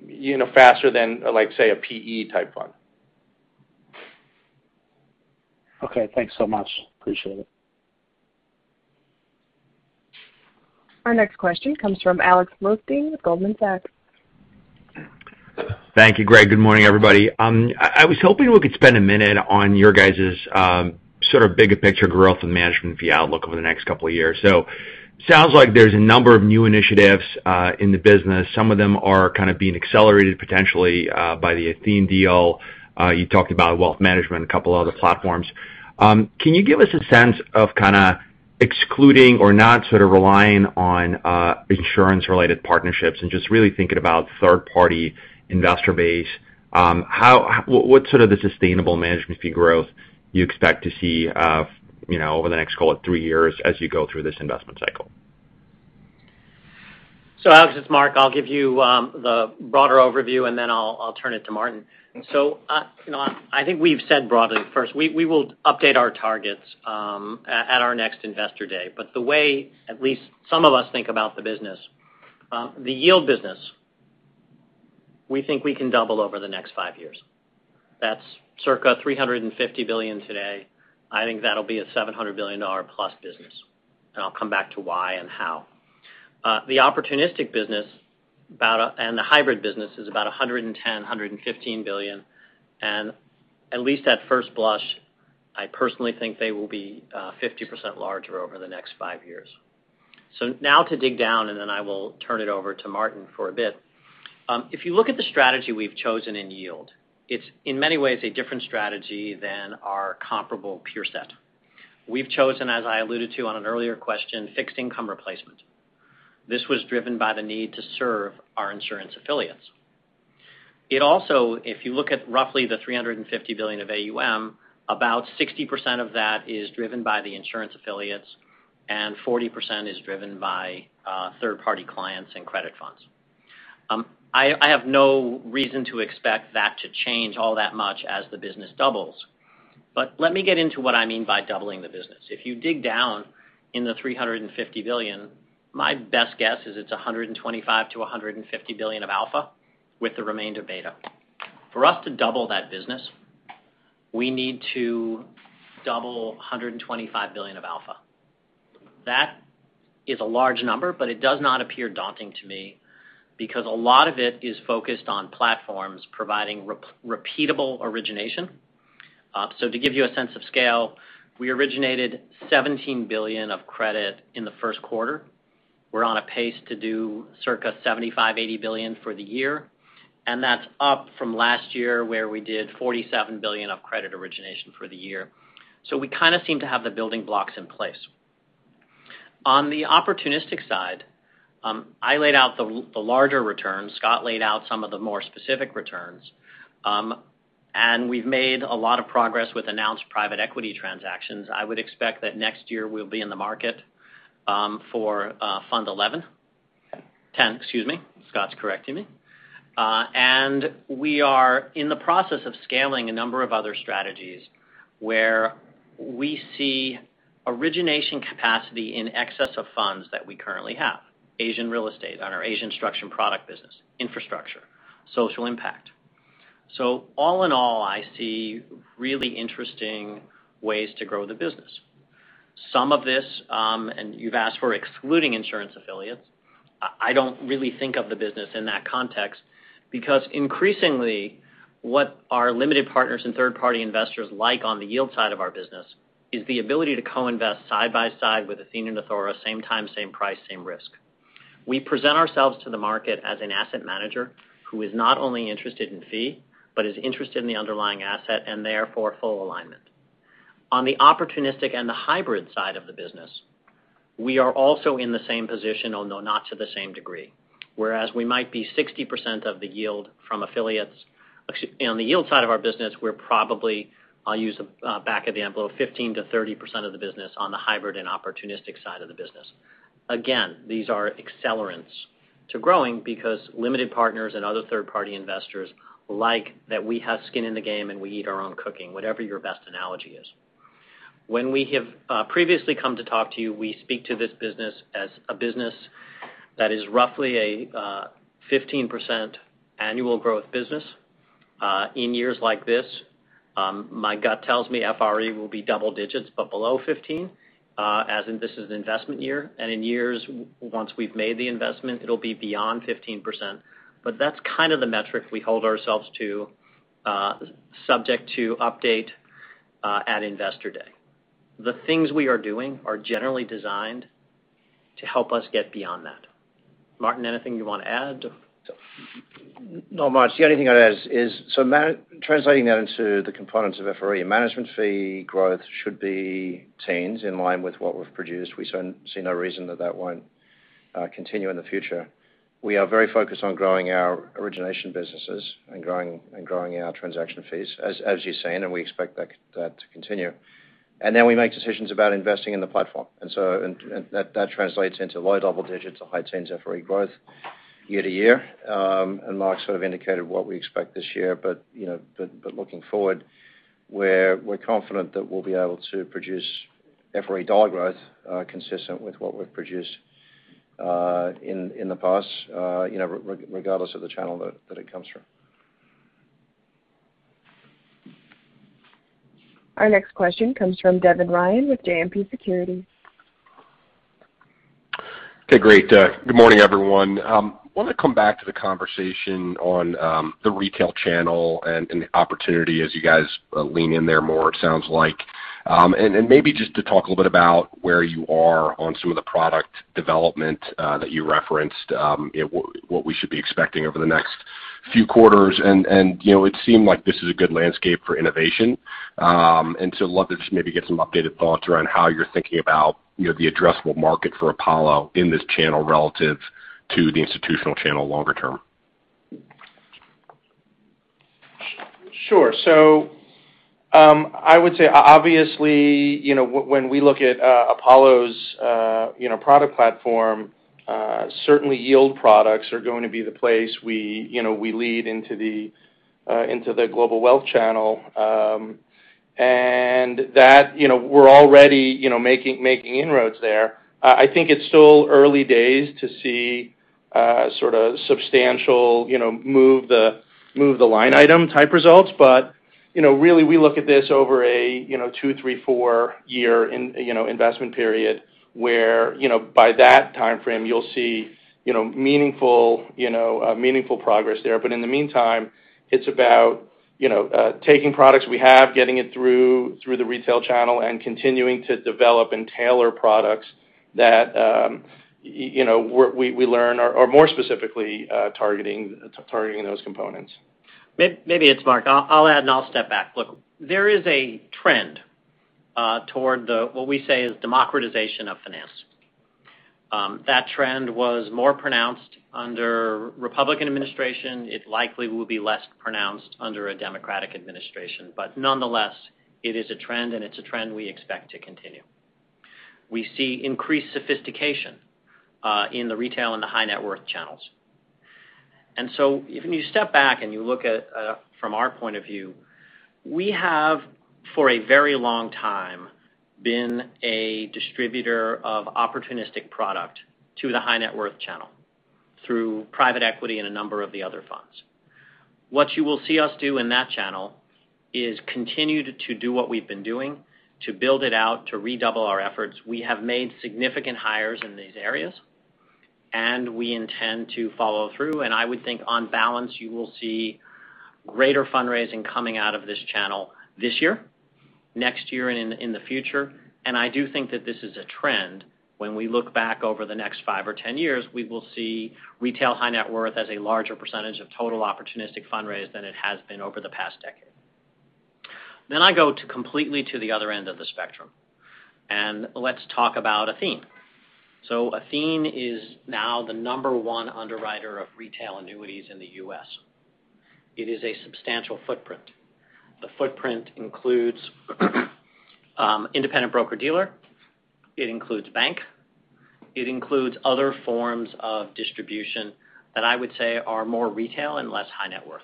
you know, faster than like say a PE type fund. Okay, thanks so much. Appreciate it. Our next question comes from Alex Blostein with Goldman Sachs. Thank you, great. Good morning, everybody. I was hoping we could spend a minute on your guys', sort of bigger picture growth and management fee outlook over the next couple of years. Sounds like there's a number of new initiatives in the business. Some of them are kind of being accelerated potentially by the Athene deal. You talked about wealth management, a couple other platforms. Can you give us a sense of kinda excluding or not sort of relying on insurance related partnerships and just really thinking about third-party investor base, what's sort of the sustainable management fee growth you expect to see, you know, over the next, call it, three years as you go through this investment cycle? Alex, it's Marc. I'll give you the broader overview, and then I'll turn it to Martin. You know, I think we've said broadly, first, we will update our targets at our next Investor Day. The way at least some of us think about the business, the yield business, we think we can double over the next five years. That's circa $350 billion today. I think that'll be a $700 billion+ business. I'll come back to why and how. The opportunistic business and the hybrid business is about $110 billion-$115 billion. At least at first blush, I personally think they will be 50% larger over the next five years. Now to dig down, and then I will turn it over to Martin for a bit. If you look at the strategy we've chosen in yield, it's in many ways a different strategy than our comparable peer set. We've chosen, as I alluded to on an earlier question, fixed income replacement. This was driven by the need to serve our insurance affiliates. It also, if you look at roughly the $350 billion of AUM, about 60% of that is driven by the insurance affiliates and 40% is driven by third-party clients and credit funds. I have no reason to expect that to change all that much as the business doubles. Let me get into what I mean by doubling the business. If you dig down in the $350 billion, my best guess is it's $125 billion-$150 billion of alpha with the remainder beta. For us to double that business, we need to double $125 billion of alpha. That is a large number, it does not appear daunting to me because a lot of it is focused on platforms providing repeatable origination. To give you a sense of scale, we originated $17 billion of credit in the first quarter. We're on a pace to do circa $75 billion-$80 billion for the year, and that's up from last year, where we did $47 billion of credit origination for the year. We kinda seem to have the building blocks in place. On the opportunistic side, I laid out the larger returns. Scott laid out some of the more specific returns. We've made a lot of progress with announced private equity transactions. I would expect that next year we'll be in the market for Fund XI. Fund X, excuse me. Scott's correcting me. We are in the process of scaling a number of other strategies, where we see origination capacity in excess of funds that we currently have. Asian Real Estate on our Asian structured product business, infrastructure, social impact. All in all, I see really interesting ways to grow the business. Some of this, you've asked for excluding insurance affiliates. I don't really think of the business in that context because increasingly, what our limited partners and third-party investors like on the yield side of our business is the ability to co-invest side by side with Athene and Athora, same time, same price, same risk. We present ourselves to the market as an asset manager who is not only interested in fee, but is interested in the underlying asset and therefore full alignment. On the opportunistic and the hybrid side of the business, we are also in the same position, although not to the same degree. Whereas we might be 60% of the yield from affiliates. On the yield side of our business, we're probably, I'll use, back of the envelope, 15%-30% of the business on the hybrid and opportunistic side of the business. Again, these are accelerants to growing because limited partners and other third-party investors like that we have skin in the game, and we eat our own cooking, whatever your best analogy is. When we have previously come to talk to you, we speak to this business as a business that is roughly a 15% annual growth business. In years like this, my gut tells me FRE will be double digits, but below 15%, as in this is an investment year. In years, once we've made the investment, it'll be beyond 15%. That's kind of the metric we hold ourselves to, subject to update at Investor Day. The things we are doing are generally designed to help us get beyond that. Martin, anything you wanna add? Not much. The only thing I'd add is, translating that into the components of FRE, management fee growth should be teens in line with what we've produced. We see no reason that won't continue in the future. We are very focused on growing our origination businesses and growing our transaction fees, as you're saying, and we expect that to continue. We make decisions about investing in the platform. That translates into low double digits or high teens FRE growth year-to-year. Marc sort of indicated what we expect this year, but, you know, looking forward, we're confident that we'll be able to produce FRE dollar growth consistent with what we've produced in the past, you know, regardless of the channel that it comes from. Our next question comes from Devin Ryan with JMP Securities. Okay, great. Good morning, everyone. Wanted to come back to the conversation on the retail channel and the opportunity as you guys lean in there more, it sounds like. Maybe just to talk a little bit about where you are on some of the product development that you referenced, you know, what we should be expecting over the next few quarters. You know, it seemed like this is a good landscape for innovation. I'd love to just maybe get some updated thoughts around how you're thinking about, you know, the addressable market for Apollo in this channel relative to the institutional channel longer term. Sure. I would say obviously, you know, when we look at Apollo's, you know, product platform, certainly yield products are going to be the place we, you know, we lead into the global wealth channel. That, you know, we're already, you know, making inroads there. I think it's still early days to see sort of substantial, you know, move the line item type results. You know, really, we look at this over a, you know, two, three, four year in, you know, investment period, where, you know, by that timeframe, you'll see, you know, meaningful progress there. In the meantime, it's about, you know, taking products we have, getting it through the retail channel, and continuing to develop and tailor products that, you know, we learn are more specifically targeting those components. Maybe, it's Marc. I'll add, and I'll step back. Look, there is a trend toward what we say is democratization of finance. That trend was more pronounced under Republican administration. It likely will be less pronounced under a Democratic administration. Nonetheless, it is a trend, and it's a trend we expect to continue. We see increased sophistication in the retail and the high net worth channels. If you step back and you look at, from our point of view, we have, for a very long time, been a distributor of opportunistic product to the high net worth channel through private equity and a number of the other funds. What you will see us do in that channel is continue to do what we've been doing, to build it out, to redouble our efforts. We have made significant hires in these areas, and we intend to follow through. I would think on balance, you will see greater fundraising coming out of this channel this year, next year and in the future, and I do think that this is a trend. When we look back over the next five or 10 years, we will see retail high net worth as a larger percentage of total opportunistic fundraise than it has been over the past decade. I go to completely to the other end of the spectrum, let's talk about Athene. Athene is now the number one underwriter of retail annuities in the U.S. It is a substantial footprint. The footprint includes independent broker-dealer, it includes bank, it includes other forms of distribution that I would say are more retail and less high net worth.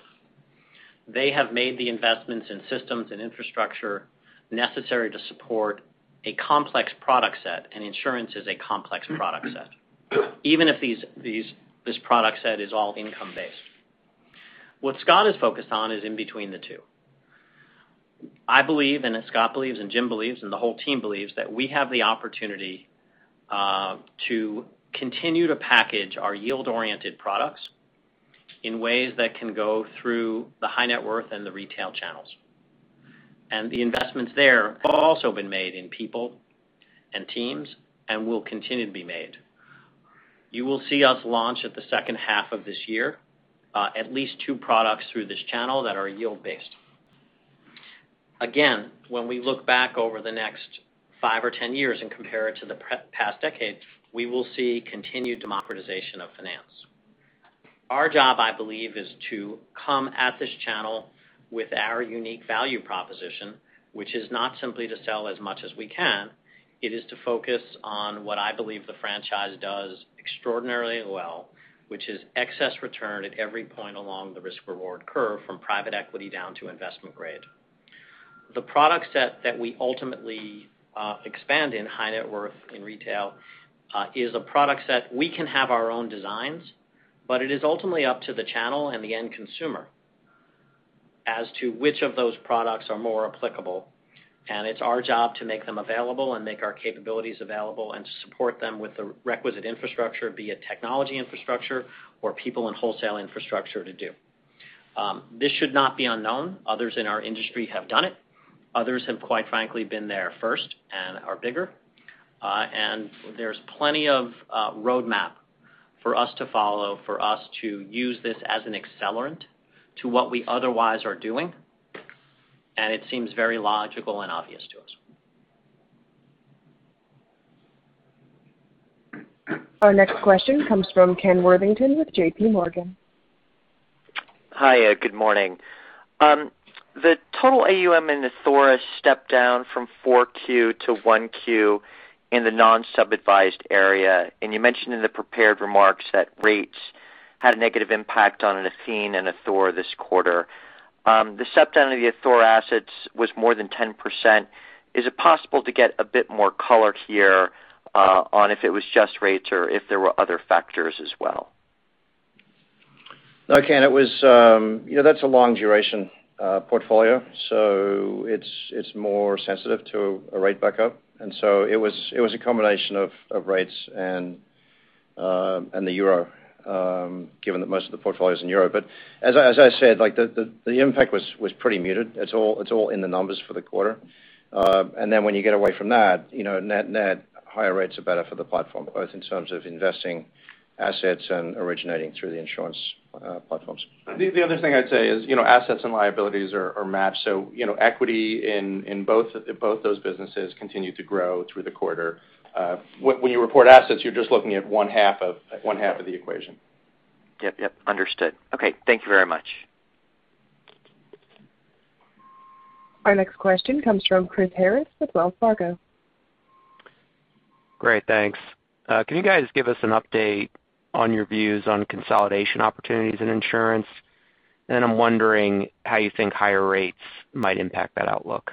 They have made the investments in systems and infrastructure necessary to support a complex product set, and insurance is a complex product set, even if this product set is all income based. What Scott is focused on is in between the two. I believe, and as Scott believes and Jim believes, and the whole team believes, that we have the opportunity to continue to package our yield-oriented products in ways that can go through the high net worth and the retail channels. The investments there have also been made in people and teams and will continue to be made. You will see us launch at the second half of this year, at least two products through this channel that are yield-based. Again, when we look back over the next five or 10 years and compare it to the past decade, we will see continued democratization of finance. Our job, I believe, is to come at this channel with our unique value proposition, which is not simply to sell as much as we can. It is to focus on what I believe the franchise does extraordinarily well, which is excess return at every point along the risk-reward curve, from private equity down to investment grade. The product set that we ultimately expand in high net worth in retail is a product set we can have our own designs, but it is ultimately up to the channel and the end consumer as to which of those products are more applicable. It's our job to make them available and make our capabilities available and to support them with the requisite infrastructure, be it technology infrastructure or people and wholesale infrastructure to do. This should not be unknown. Others in our industry have done it. Others have, quite frankly, been there first and are bigger. There's plenty of roadmap for us to follow, for us to use this as an accelerant to what we otherwise are doing, and it seems very logical and obvious to us. Our next question comes from Ken Worthington with JPMorgan. Hi, good morning. The total AUM in Athora stepped down from 4Q to 1Q in the non-sub-advised area, and you mentioned in the prepared remarks that rates had a negative impact on Athene and Athora this quarter. The step down of the Athora assets was more than 10%. Is it possible to get a bit more color here, on if it was just rates or if there were other factors as well? No, Ken. You know, that's a long duration portfolio, so it's more sensitive to a rate backup. It was a combination of rates and the euro, given that most of the portfolio's in euro. As I said, like, the impact was pretty muted. It's all in the numbers for the quarter. When you get away from that, you know, net, higher rates are better for the platform, both in terms of investing assets and originating through the insurance platforms. The other thing I'd say is, you know, assets and liabilities are matched, you know, equity in both those businesses continued to grow through the quarter. When you report assets, you're just looking at one half of the equation. Yep, yep, understood. Okay, thank you very much. Our next question comes from Chris Harris with Wells Fargo. Great, thanks. Can you guys give us an update on your views on consolidation opportunities in insurance? I'm wondering how you think higher rates might impact that outlook.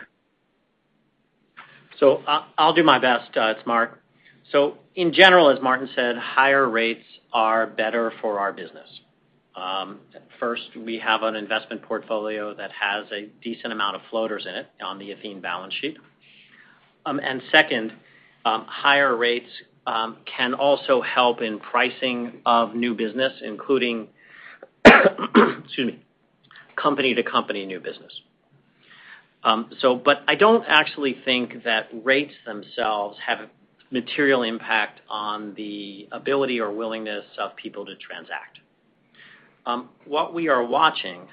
I'll do my best, it's Marc. In general, as Martin said, higher rates are better for our business. First, we have an investment portfolio that has a decent amount of floaters in it on the Athene balance sheet. Second, higher rates can also help in pricing of new business, including, excuse me, company to company new business. I don't actually think that rates themselves have a material impact on the ability or willingness of people to transact. What we are watching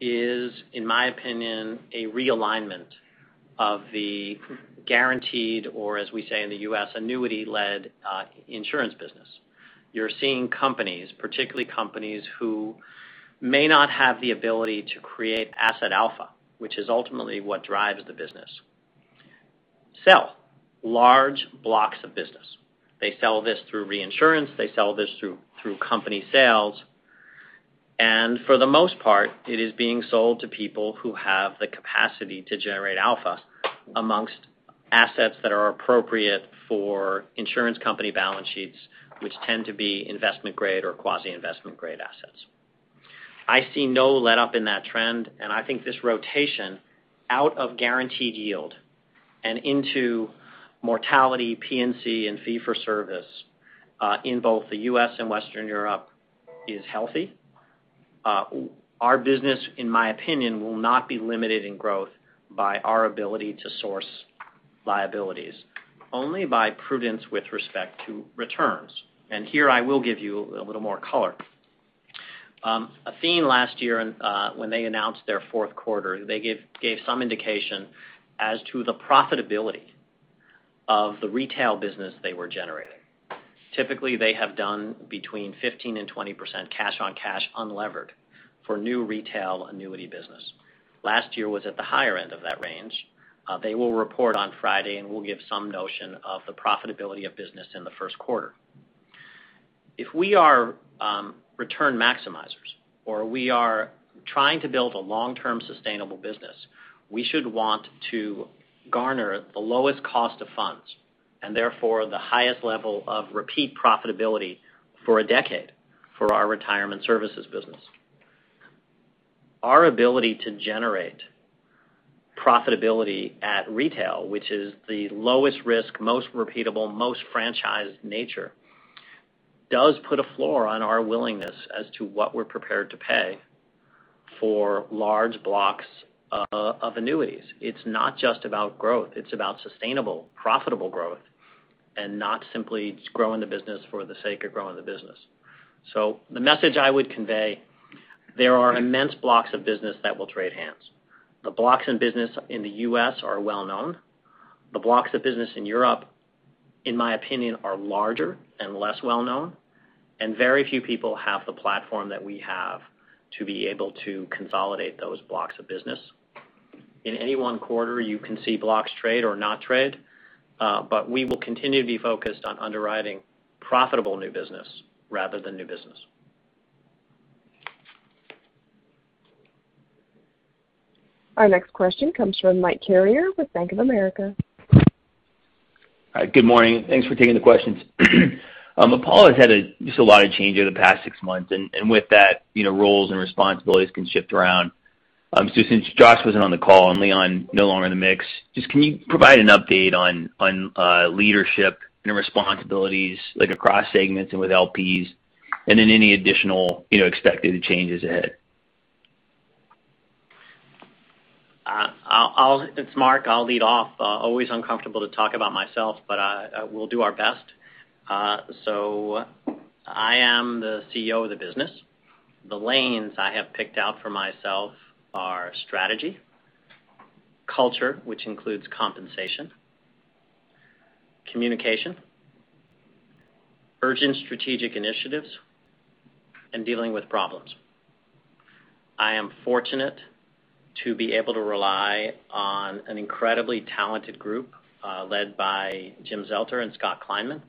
is, in my opinion, a realignment of the guaranteed or as we say in the U.S., annuity-led insurance business. You're seeing companies, particularly companies who may not have the ability to create asset alpha, which is ultimately what drives the business. Large blocks of business. They sell this through reinsurance, they sell this through company sales. For the most part, it is being sold to people who have the capacity to generate alpha amongst assets that are appropriate for insurance company balance sheets, which tend to be investment grade or quasi-investment grade assets. I see no letup in that trend, and I think this rotation out of guaranteed yield and into mortality, P&C, and fee for service in both the U.S. and Western Europe is healthy. Our business, in my opinion, will not be limited in growth by our ability to source liabilities, only by prudence with respect to returns. Here I will give you a little more color. Athene last year and when they announced their fourth quarter, they gave some indication as to the profitability of the retail business they were generating. Typically, they have done between 15% and 20% cash-on-cash unlevered for new retail annuity business. Last year was at the higher end of that range. They will report on Friday, and we'll give some notion of the profitability of business in the first quarter. If we are return maximizers or we are trying to build a long-term sustainable business, we should want to garner the lowest cost of funds and therefore the highest level of repeat profitability for a decade for our retirement services business. Our ability to generate profitability at retail, which is the lowest risk, most repeatable, most franchised nature, does put a floor on our willingness as to what we're prepared to pay for large blocks of annuities. It's not just about growth, it's about sustainable, profitable growth and not simply growing the business for the sake of growing the business. The message I would convey, there are immense blocks of business that will trade hands. The blocks in business in the U.S. are well known. The blocks of business in Europe, in my opinion, are larger and less well known, and very few people have the platform that we have to be able to consolidate those blocks of business. In any one quarter, you can see blocks trade or not trade, but we will continue to be focused on underwriting profitable new business rather than new business. Our next question comes from Mike Carrier with Bank of America. Hi. Good morning. Thanks for taking the questions. Apollo has had just a lot of change over the past six months, and with that, you know, roles and responsibilities can shift around. Since Josh wasn't on the call and Leon no longer in the mix, just can you provide an update on leadership and responsibilities like across segments and with LPs and then any additional, you know, expected changes ahead? It's Marc, I'll lead off. Always uncomfortable to talk about myself, but we'll do our best. I am the CEO of the business. The lanes I have picked out for myself are strategy, culture, which includes compensation, communication, urgent strategic initiatives, and dealing with problems. I am fortunate to be able to rely on an incredibly talented group, led by Jim Zelter and Scott Kleinman,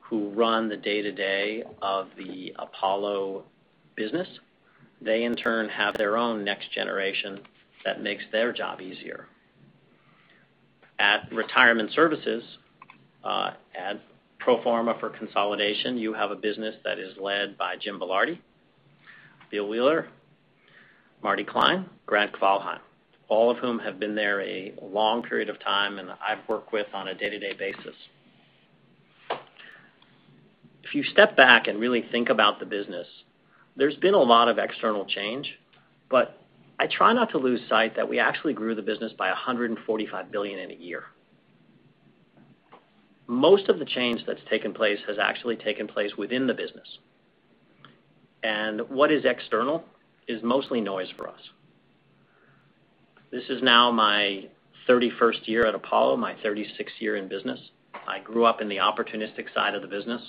who run the day-to-day of the Apollo business. They in turn have their own next generation that makes their job easier. At retirement services, at pro forma for consolidation, you have a business that is led by Jim Belardi, Bill Wheeler, Martin Klein, Grant Kvalheim. All of whom have been there a long period of time and I've worked with on a day-to-day basis. If you step back and really think about the business, there's been a lot of external change, I try not to lose sight that we actually grew the business by $145 billion in a year. Most of the change that's taken place has actually taken place within the business. What is external is mostly noise for us. This is now my 31st year at Apollo, my 36th year in business. I grew up in the opportunistic side of the business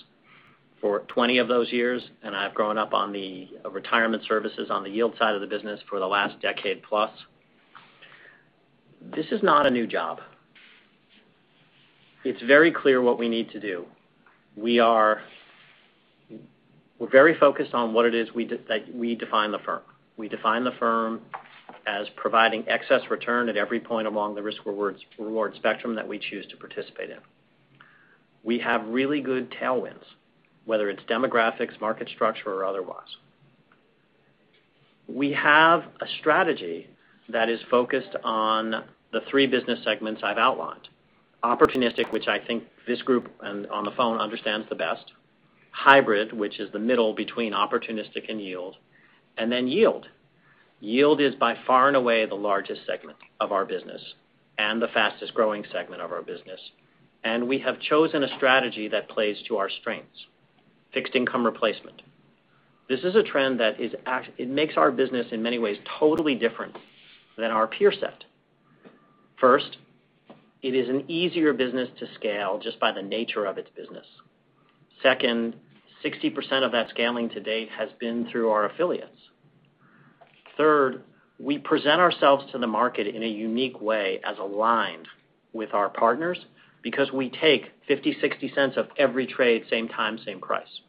for 20 of those years, I've grown up on the retirement services on the yield side of the business for the last decade plus. This is not a new job. It's very clear what we need to do. We're very focused on what it is we define the firm. We define the firm as providing excess return at every point along the risk rewards, reward spectrum that we choose to participate in. We have really good tailwinds, whether it's demographics, market structure or otherwise. We have a strategy that is focused on the three business segments I've outlined. Opportunistic, which I think this group and on the phone understands the best, Hybrid, which is the middle between Opportunistic and Yield, and then Yield. Yield is by far and away the largest segment of our business and the fastest-growing segment of our business, and we have chosen a strategy that plays to our strengths, fixed income replacement. This is a trend that it makes our business in many ways totally different than our peer set. First, it is an easier business to scale just by the nature of its business. Second, 60% of that scaling to date has been through our affiliates. Third, we present ourselves to the market in a unique way as aligned with our partners because we take $0.50-$0.60 of every trade, same time, same price.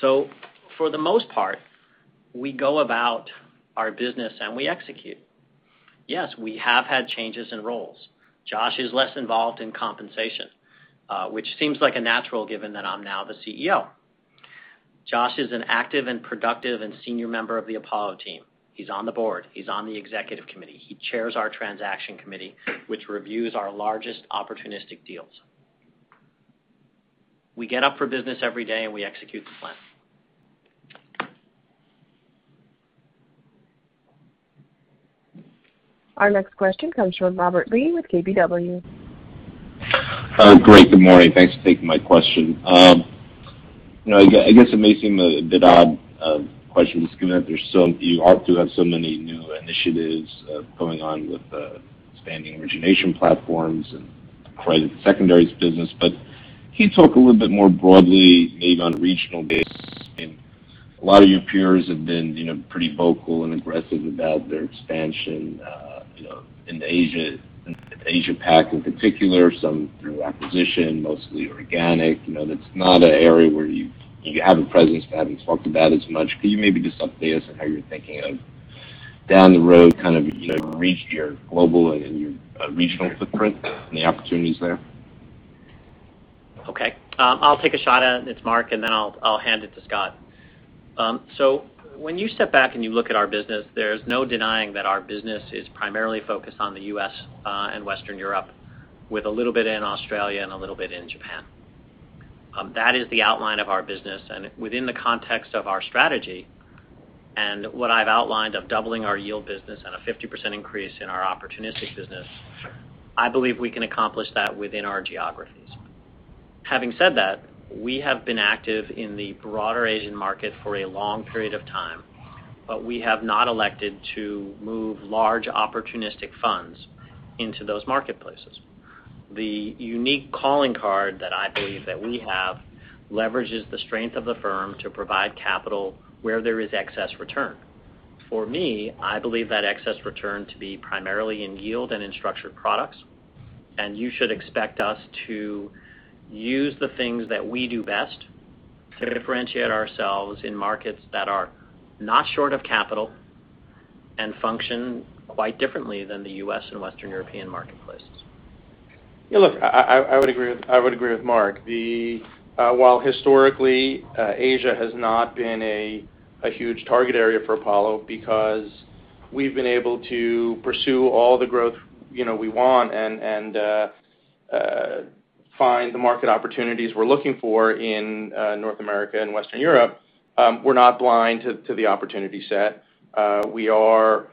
For the most part, we go about our business and we execute. Yes, we have had changes in roles. Josh is less involved in compensation, which seems like a natural, given that I'm now the CEO. Josh is an active and productive and Senior Member of the Apollo team. He's on the Board. He's on the Executive committee. He chairs our transaction committee, which reviews our largest opportunistic deals. We get up for business every day, and we execute the plan. Our next question comes from Robert Lee with KBW. Great. Good morning. Thanks for taking my question. you know, I guess it may seem a bit odd question to ask. There's you ought to have so many new initiatives going on with expanding origination platforms and credit secondaries business. Can you talk a little bit more broadly, maybe on a regional basis? I mean, a lot of your peers have been, you know, pretty vocal and aggressive about their expansion, you know, in Asia Pac in particular, some through acquisition, mostly organic. You know, that's not an area where you have a presence but haven't talked about as much. Could you maybe just update us on how you're thinking of down the road, kind of, you know, reach your global and your regional footprint and the opportunities there? Okay. I'll take a shot at it. It's Marc, then I'll hand it to Scott. When you step back and you look at our business, there's no denying that our business is primarily focused on the U.S. and Western Europe, with a little bit in Australia and a little bit in Japan. That is the outline of our business. Within the context of our strategy and what I've outlined of doubling our yield business and a 50% increase in our opportunistic business, I believe we can accomplish that within our geographies. Having said that, we have been active in the broader Asian market for a long period of time, we have not elected to move large opportunistic funds into those marketplaces. The unique calling card that I believe that we have leverages the strength of the firm to provide capital where there is excess return. For me, I believe that excess return to be primarily in yield and in structured products, and you should expect us to use the things that we do best to differentiate ourselves in markets that are not short of capital and function quite differently than the U.S. and Western European marketplaces. Look, I would agree with Marc. While historically, Asia has not been a huge target area for Apollo because we've been able to pursue all the growth, you know, we want and find the market opportunities we're looking for in North America and Western Europe, we're not blind to the opportunity set. We are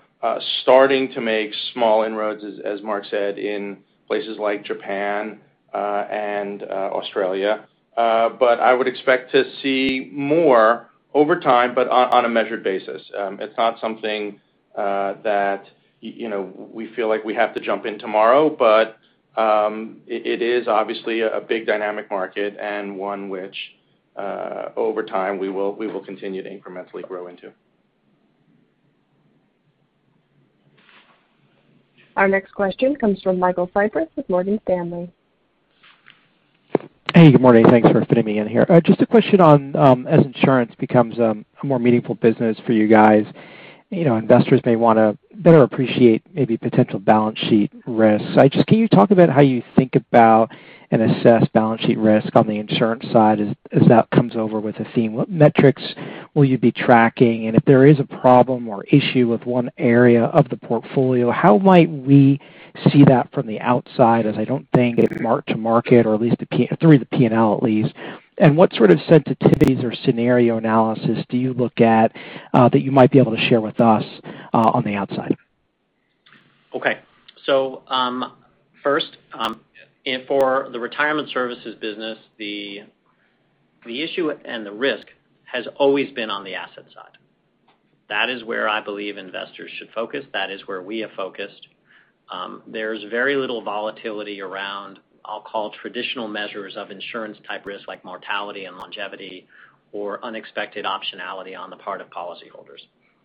starting to make small inroads, as Marc said, in places like Japan and Australia. I would expect to see more over time, but on a measured basis. It's not something that, you know, we feel like we have to jump in tomorrow. It is obviously a big dynamic market and one which over time, we will continue to incrementally grow into. Our next question comes from Michael Cyprys with Morgan Stanley. Hey, good morning. Thanks for fitting me in here. just a question on, as insurance becomes a more meaningful business for you guys, you know, investors may wanna better appreciate maybe potential balance sheet risks. can you talk about how you think about and assess balance sheet risk on the insurance side as that comes over with Athene? What metrics will you be tracking? if there is a problem or issue with one area of the portfolio, how might we see that from the outside, as I don't think mark-to-market or at least through the P&L, at least. what sort of sensitivities or scenario analysis do you look at, that you might be able to share with us, on the outside? Okay. First, and for the retirement services business, the issue and the risk has always been on the asset side. That is where I believe investors should focus. That is where we have focused. There's very little volatility around, I'll call, traditional measures of insurance type risk, like mortality and longevity or unexpected optionality on the part of policyholders.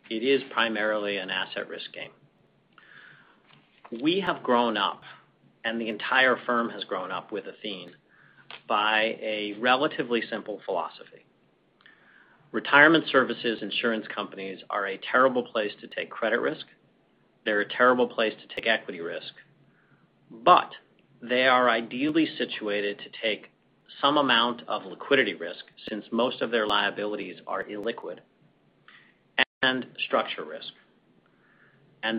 It is primarily an asset risk game. We have grown up, and the entire firm has grown up with Athene by a relatively simple philosophy. Retirement services insurance companies are a terrible place to take credit risk. They're a terrible place to take equity risk. They are ideally situated to take some amount of liquidity risk since most of their liabilities are illiquid, and structure risk.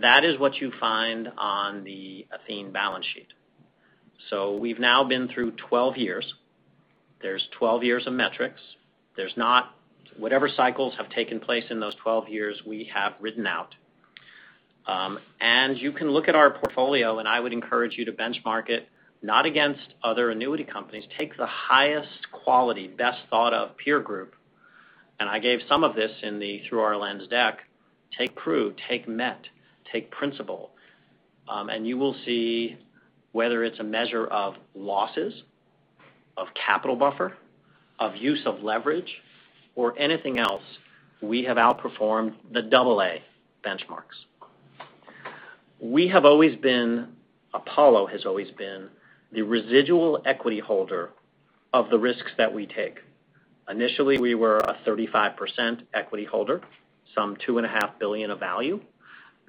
That is what you find on the Athene balance sheet. We've now been through 12 years. There's 12 years of metrics. There's whatever cycles have taken place in those 12 years, we have ridden out. You can look at our portfolio, and I would encourage you to benchmark it, not against other annuity companies. Take the highest quality, best thought of peer group, and I gave some of this in the Through Our Lens deck. Take Pru, take Met, take Principal. You will see whether it's a measure of losses, of capital buffer, of use of leverage or anything else, we have outperformed the double-A benchmarks. Apollo has always been the residual equity holder of the risks that we take. Initially, we were a 35% equity holder, some $2.5 billion of value,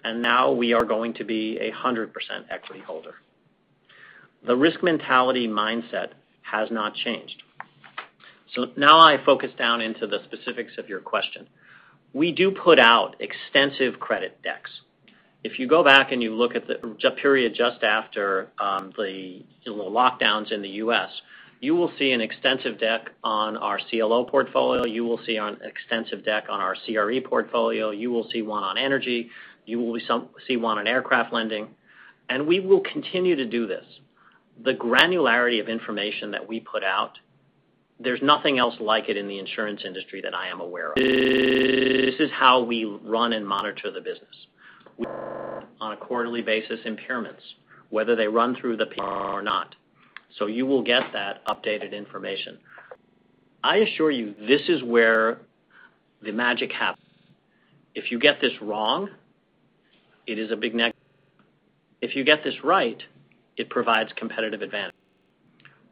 and now we are going to be a 100% equity holder. The risk mentality mindset has not changed. Now I focus down into the specifics of your question. We do put out extensive credit decks. If you go back and you look at the period just after lockdowns in the U.S., you will see an extensive deck on our CLO portfolio. You will see an extensive deck on our CRE portfolio. You will see one on energy. You will see one on aircraft lending. We will continue to do this. The granularity of information that we put out, there's nothing else like it in the insurance industry that I am aware of. This is how we run and monitor the business. We run on a quarterly basis impairments, whether they run through the P&L or not. You will get that updated information. I assure you, this is where the magic happens. If you get this wrong, it is a big negative. If you get this right, it provides competitive advantage.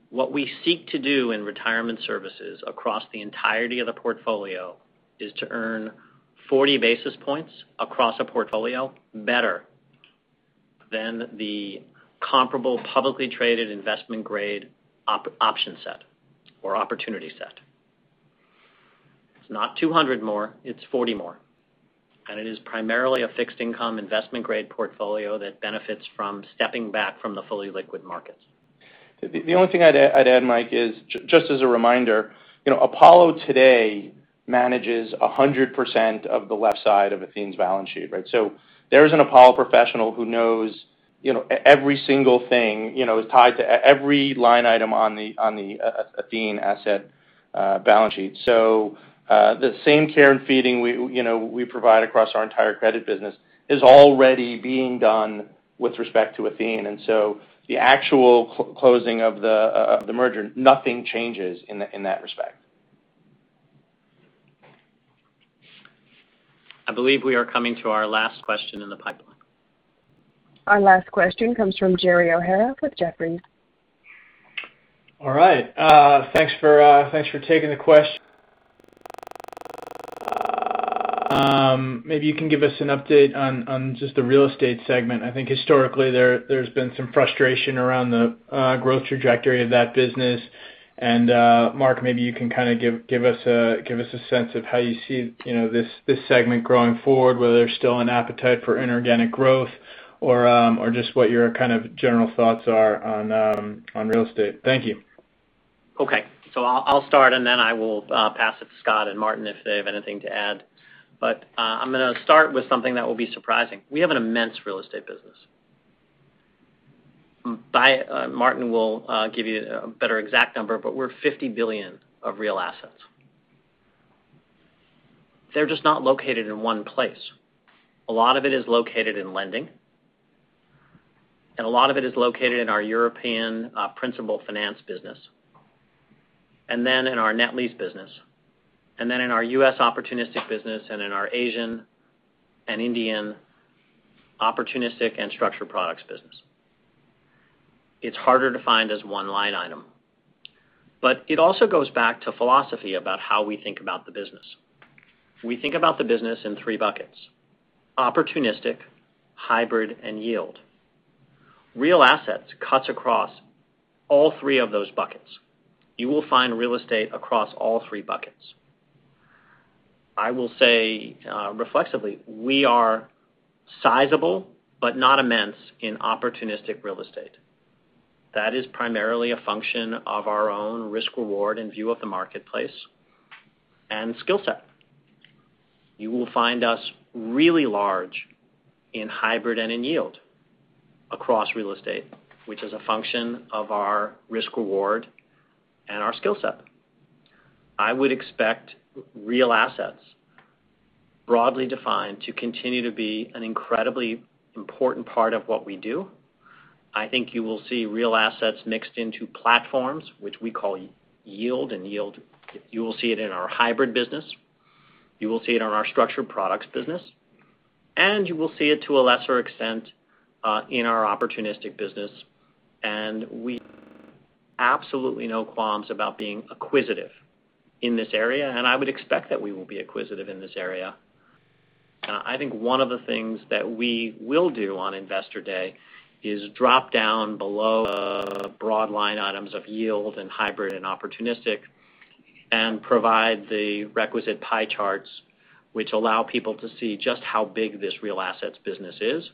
What we seek to do in retirement services across the entirety of the portfolio is to earn 40 basis points across a portfolio better than the comparable publicly traded investment grade option set or opportunity set. It's not 200 more, it's 40 more. It is primarily a fixed income investment grade portfolio that benefits from stepping back from the fully liquid markets. The only thing I'd add, Mike, is just as a reminder, you know, Apollo today manages 100% of the left side of Athene's balance sheet, right? There's an Apollo professional who knows, you know, every single thing, you know, is tied to every line item on the Athene asset balance sheet. The same care and feeding we, you know, we provide across our entire credit business is already being done with respect to Athene. The actual closing of the merger, nothing changes in that respect. I believe we are coming to our last question in the pipeline. Our last question comes from Gerry O'Hara with Jefferies. All right, thanks for taking the question. Maybe you can give us an update on just the real estate segment. I think historically there's been some frustration around the growth trajectory of that business. Marc, maybe you can kind of give us a sense of how you see, you know, this segment growing forward, whether there's still an appetite for inorganic growth or just what your kind of general thoughts are on real estate. Thank you. Okay. I'll start, and then I will pass it to Scott and Martin if they have anything to add. I'm gonna start with something that will be surprising. We have an immense real estate business. Martin will give you a better exact number, but we're $50 billion of real assets. They're just not located in one place. A lot of it is located in lending, and a lot of it is located in our European principal finance business, and then in our net lease business, and then in our U.S. opportunistic business, and in our Asian and Indian opportunistic and structured products business. It's harder to find as one line item. It also goes back to philosophy about how we think about the business. We think about the business in three buckets: opportunistic, hybrid, and yield. Real assets cuts across all three of those buckets. You will find real estate across all three buckets. I will say, reflexively, we are sizable but not immense in opportunistic real estate. That is primarily a function of our own risk reward and view of the marketplace and skill set. You will find us really large in hybrid and in yield across real estate, which is a function of our risk reward and our skill set. I would expect real assets, broadly defined, to continue to be an incredibly important part of what we do. I think you will see real assets mixed into platforms, which we call yield and yield. You will see it in our hybrid business. You will see it on our structured products business, and you will see it to a lesser extent, in our opportunistic business. We absolutely no qualms about being acquisitive in this area, and I would expect that we will be acquisitive in this area. I think one of the things that we will do on Investor Day is drop down below the broad line items of yield and hybrid and opportunistic and provide the requisite pie charts which allow people to see just how big this real assets business is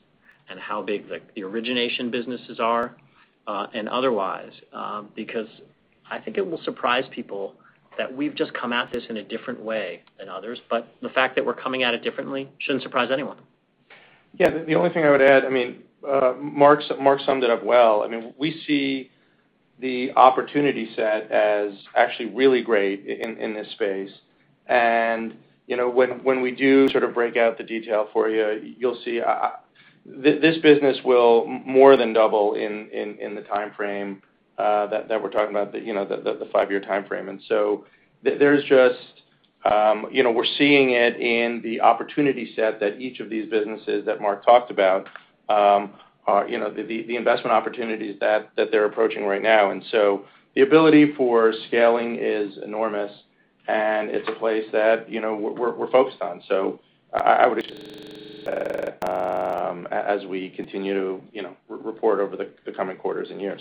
and how big the origination businesses are, and otherwise. Because I think it will surprise people that we've just come at this in a different way than others. But the fact that we're coming at it differently shouldn't surprise anyone. Yeah. The only thing I would add, I mean, Marc summed it up well. I mean, we see the opportunity set as actually really great in this space. You know, when we do sort of break out the detail for you'll see, this business will more than double in the timeframe that we're talking about, the, you know, the five-year timeframe. There's just, you know, we're seeing it in the opportunity set that each of these businesses that Marc talked about, are, you know, the investment opportunities that they're approaching right now. The ability for scaling is enormous, and it's a place that, you know, we're focused on. I would suggest, as we continue to, you know, report over the coming quarters and years.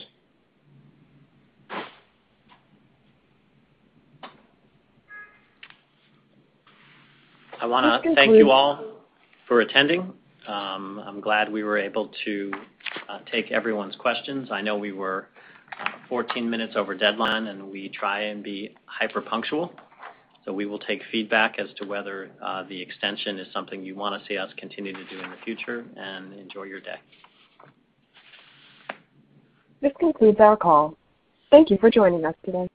I wanna thank you all for attending. I'm glad we were able to take everyone's questions. I know we were 14 minutes over deadline, and we try and be hyper-punctual. We will take feedback as to whether the extension is something you wanna see us continue to do in the future. Enjoy your day. This concludes our call. Thank you for joining us today.